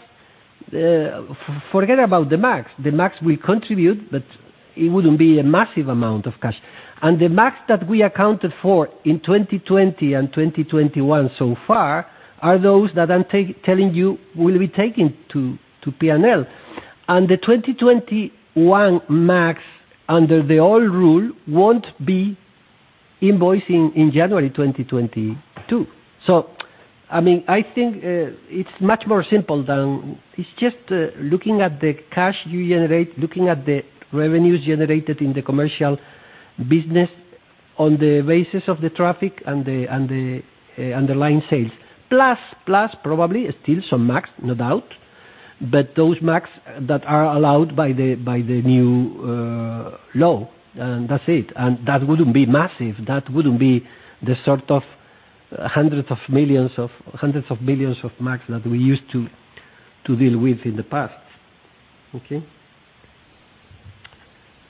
forget about the MAGs. The MAGs will contribute, but it wouldn't be a massive amount of cash. The MAGs that we accounted for in 2020 and 2021 so far are those that I'm telling you will be taken to P&L. The 2021 MAGs under the old rule won't be invoicing in January 2022. I mean, I think it's much more simple. It's just looking at the cash you generate, looking at the revenues generated in the commercial business on the basis of the traffic and the underlying sales. Plus probably still some MAGs, no doubt, but those MAGs that are allowed by the new law, and that's it. That wouldn't be massive. That wouldn't be the sort of hundreds of millions of max that we used to deal with in the past. Okay?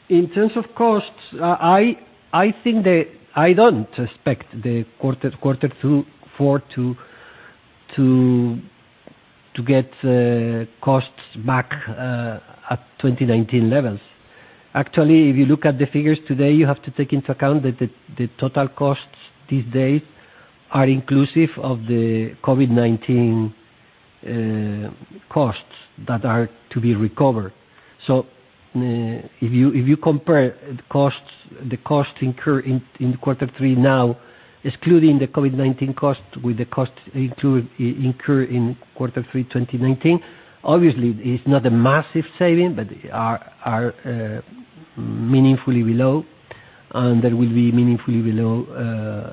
In terms of costs, I think I don't expect quarter two to four to get costs back at 2019 levels. Actually, if you look at the figures today, you have to take into account that the total costs these days are inclusive of the COVID-19 costs that are to be recovered. If you compare costs, the costs incur in quarter three now, excluding the COVID-19 costs with the costs to incur in quarter three 2019, obviously it's not a massive saving, but are meaningfully below, and that will be meaningfully below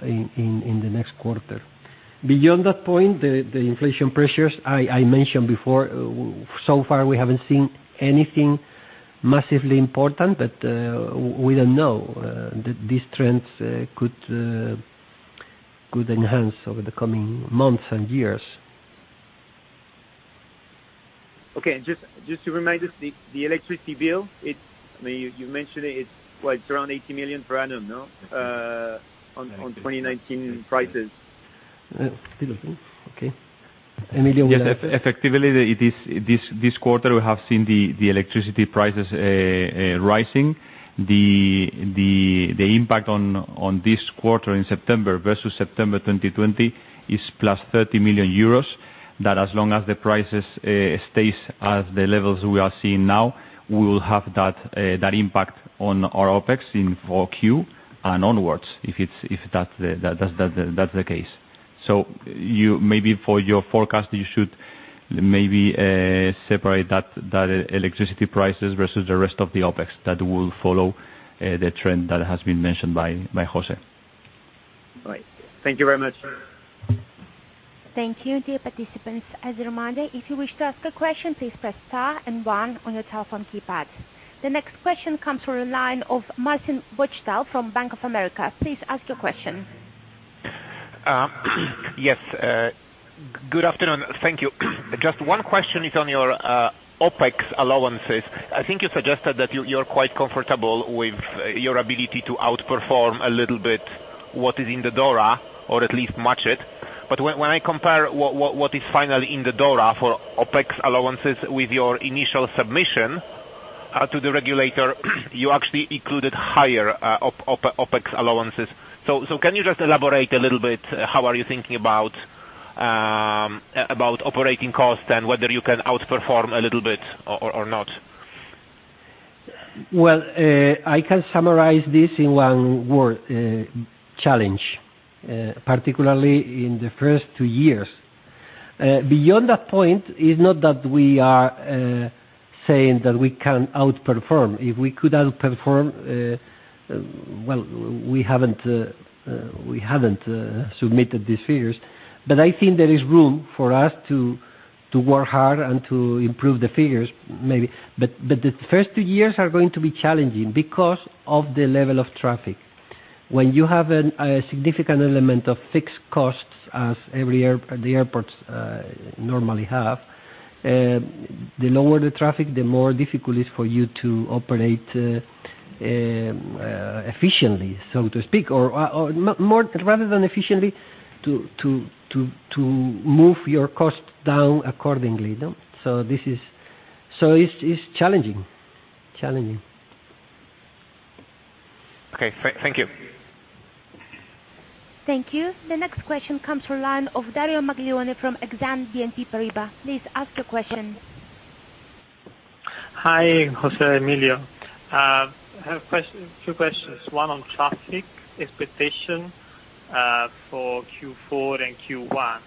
in the next quarter. Beyond that point, the inflation pressures I mentioned before, so far we haven't seen anything massively important, but we don't know. These trends could enhance over the coming months and years.
Okay. Just to remind us, the electricity bill, it's, I mean, you mentioned it's around 80 million per annum, no? On 2019 prices.
Okay. Emilio will answer.
Yes. Effectively, it is this quarter we have seen the electricity prices rising. The impact on this quarter in September versus September 2020 is +30 million euros. That, as long as the prices stays at the levels we are seeing now, we will have that impact on our OpEx in Q4 and onwards if that's the case. You maybe for your forecast, you should maybe separate that electricity prices versus the rest of the OpEx that will follow the trend that has been mentioned by José.
Right. Thank you very much.
Thank you, dear participants. As a reminder, if you wish to ask a question, please press star and one on your telephone keypad. The next question comes from the line of Marcin Wojtal from Bank of America. Please ask your question.
Good afternoon. Thank you. Just one question is on your OpEx allowances. I think you suggested that you're quite comfortable with your ability to outperform a little bit what is in the DORA, or at least match it. When I compare what is finally in the DORA for OpEx allowances with your initial submission to the regulator, you actually included higher OpEx allowances. Can you just elaborate a little bit how are you thinking about operating costs and whether you can outperform a little bit or not?
Well, I can summarize this in one word, challenge, particularly in the first two years. Beyond that point, it's not that we are saying that we can outperform. If we could outperform, well, we haven't submitted these figures. I think there is room for us to work hard and to improve the figures maybe. The first two years are going to be challenging because of the level of traffic. When you have a significant element of fixed costs as every airport normally have, the lower the traffic, the more difficult it's for you to operate efficiently, so to speak, or more rather than efficiently, to move your costs down accordingly, no? It's challenging. Challenging.
Okay. Thank you.
Thank you. The next question comes from the line of Dario Maglione from Exane BNP Paribas. Please ask your question.
Hi, José, Emilio. I have two questions, one on traffic expectation for Q4 and Q1.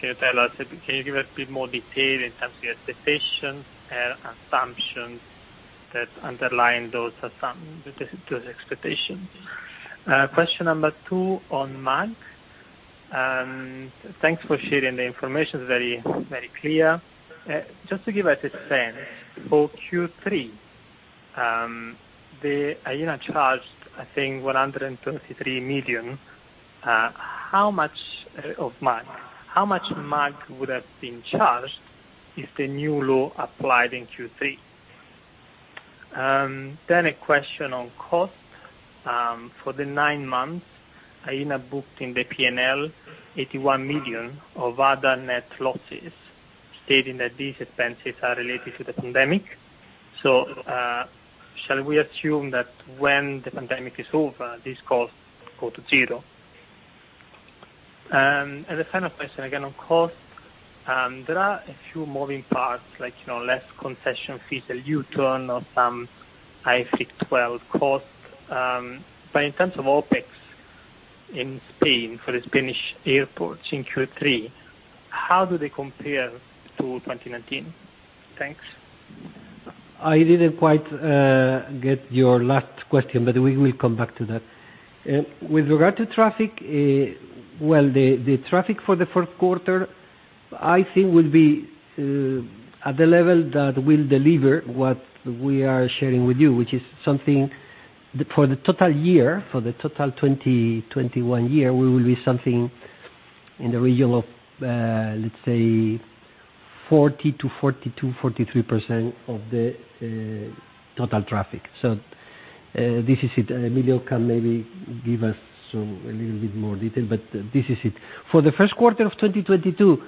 Can you give a bit more detail in terms of your expectations and assumptions that underline those expectations? Question number two on MAG. Thanks for sharing the information, it's very clear. Just to give us a sense, for Q3, Aena charged, I think 133 million. How much MAG would have been charged if the new law applied in Q3? A question on cost. For the nine months, Aena booked in the P&L 81 million of other net losses, stating that these expenses are related to the pandemic. Shall we assume that when the pandemic is over, these costs go to zero? The final question again on cost. There are a few moving parts like, you know, less concession fees, a U-turn of some ICAO costs. In terms of OpEx in Spain for the Spanish airports in Q3, how do they compare to 2019? Thanks.
I didn't quite get your last question, but we will come back to that. With regard to traffic, well, the traffic for the fourth quarter, I think will be at the level that will deliver what we are sharing with you, which is something for the total year, for the total 2021 year, we will be something in the region of, let's say 40%-43% of the total traffic. This is it. Emilio can maybe give us some a little bit more detail, but this is it. For the first quarter of 2022,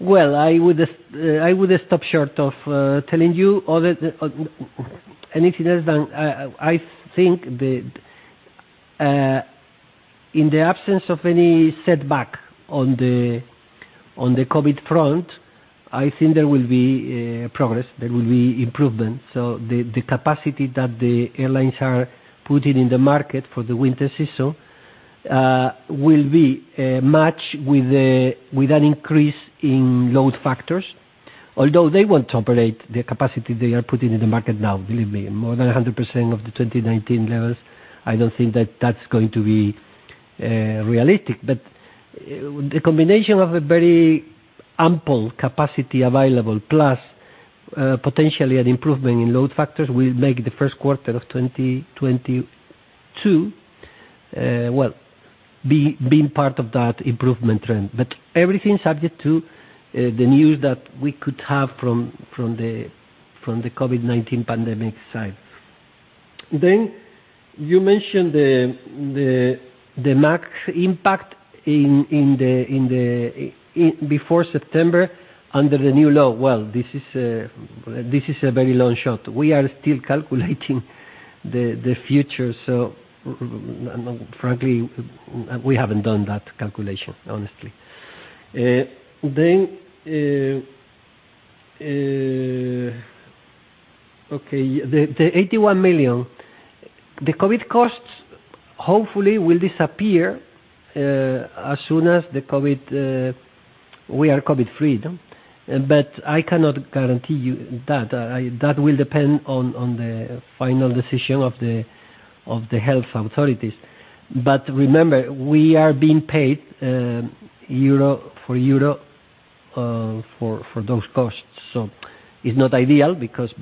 well, I would stop short of telling you anything else than I think in the absence of any setback on the COVID front, I think there will be progress, there will be improvement. The capacity that the airlines are putting in the market for the winter season will be matched with an increase in load factors. Although they want to operate the capacity they are putting in the market now, believe me, more than 100% of the 2019 levels, I don't think that that's going to be realistic. The combination of a very ample capacity available plus potentially an improvement in load factors will make the first quarter of 2022 well being part of that improvement trend. Everything subject to the news that we could have from the COVID-19 pandemic side. You mentioned the MAG impact in the before September under the new law. Well, this is a very long shot. We are still calculating the future, so frankly, we haven't done that calculation, honestly. The 81 million COVID costs hopefully will disappear as soon as the COVID. We are COVID-free, but I cannot guarantee you that. That will depend on the final decision of the health authorities. Remember, we are being paid euro for euro for those costs. It's not ideal because.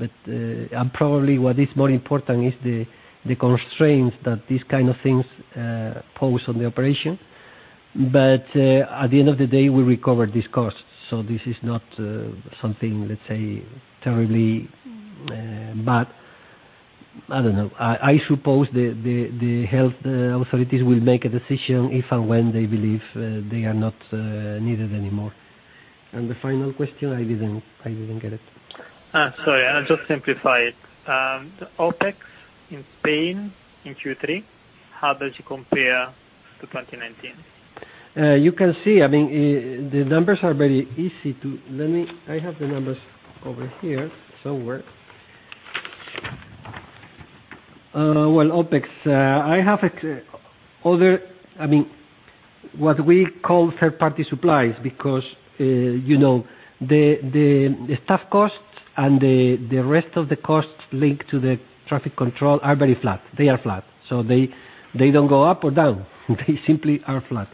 Probably what is more important is the constraints that these kind of things pose on the operation. At the end of the day, we recover these costs, so this is not something, let's say, terribly bad. I don't know. I suppose the health authorities will make a decision if and when they believe they are not needed anymore. The final question, I didn't get it.
Sorry, I'll just simplify it. The OpEx in Spain in Q3, how does it compare to 2019?
You can see, I mean, the numbers are very easy to. Well, OpEx, I have other. I mean, what we call third-party supplies because, you know, the staff costs and the rest of the costs linked to the traffic control are very flat. They are flat, so they don't go up or down. They simply are flat.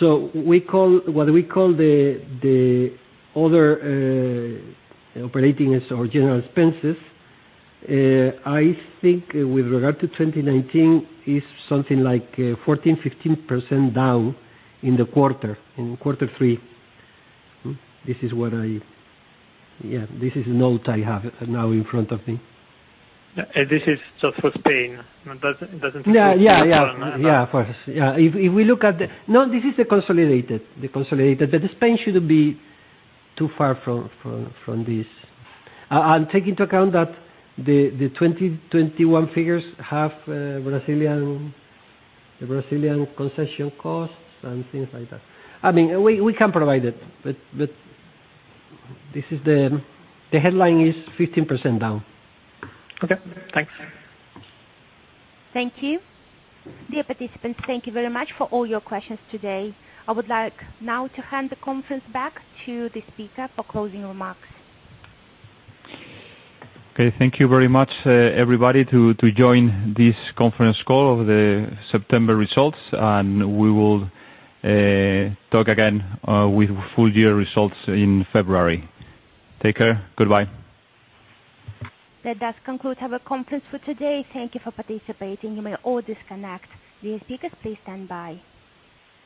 So we call what we call the other operating or general expenses, I think with regard to 2019 is something like 14%-15% down in the quarter, in Q3. This is what I have. Yeah, this is a note I have now in front of me.
This is just for Spain. It doesn't include.
Yeah, yeah. Yeah, of course. Yeah. If we look at the. No, this is the consolidated, but Spain shouldn't be too far from this. And take into account that the 2021 figures have the Brazilian concession costs and things like that. I mean, we can provide it, but this is the. The headline is 15% down.
Okay, thanks.
Thank you. Dear participants, thank you very much for all your questions today. I would like now to hand the conference back to the speaker for closing remarks.
Okay, thank you very much, everybody, to join this conference call of the September results, and we will talk again with full year results in February. Take care. Goodbye.
That does conclude our conference for today. Thank you for participating. You may all disconnect. The speakers, please stand by.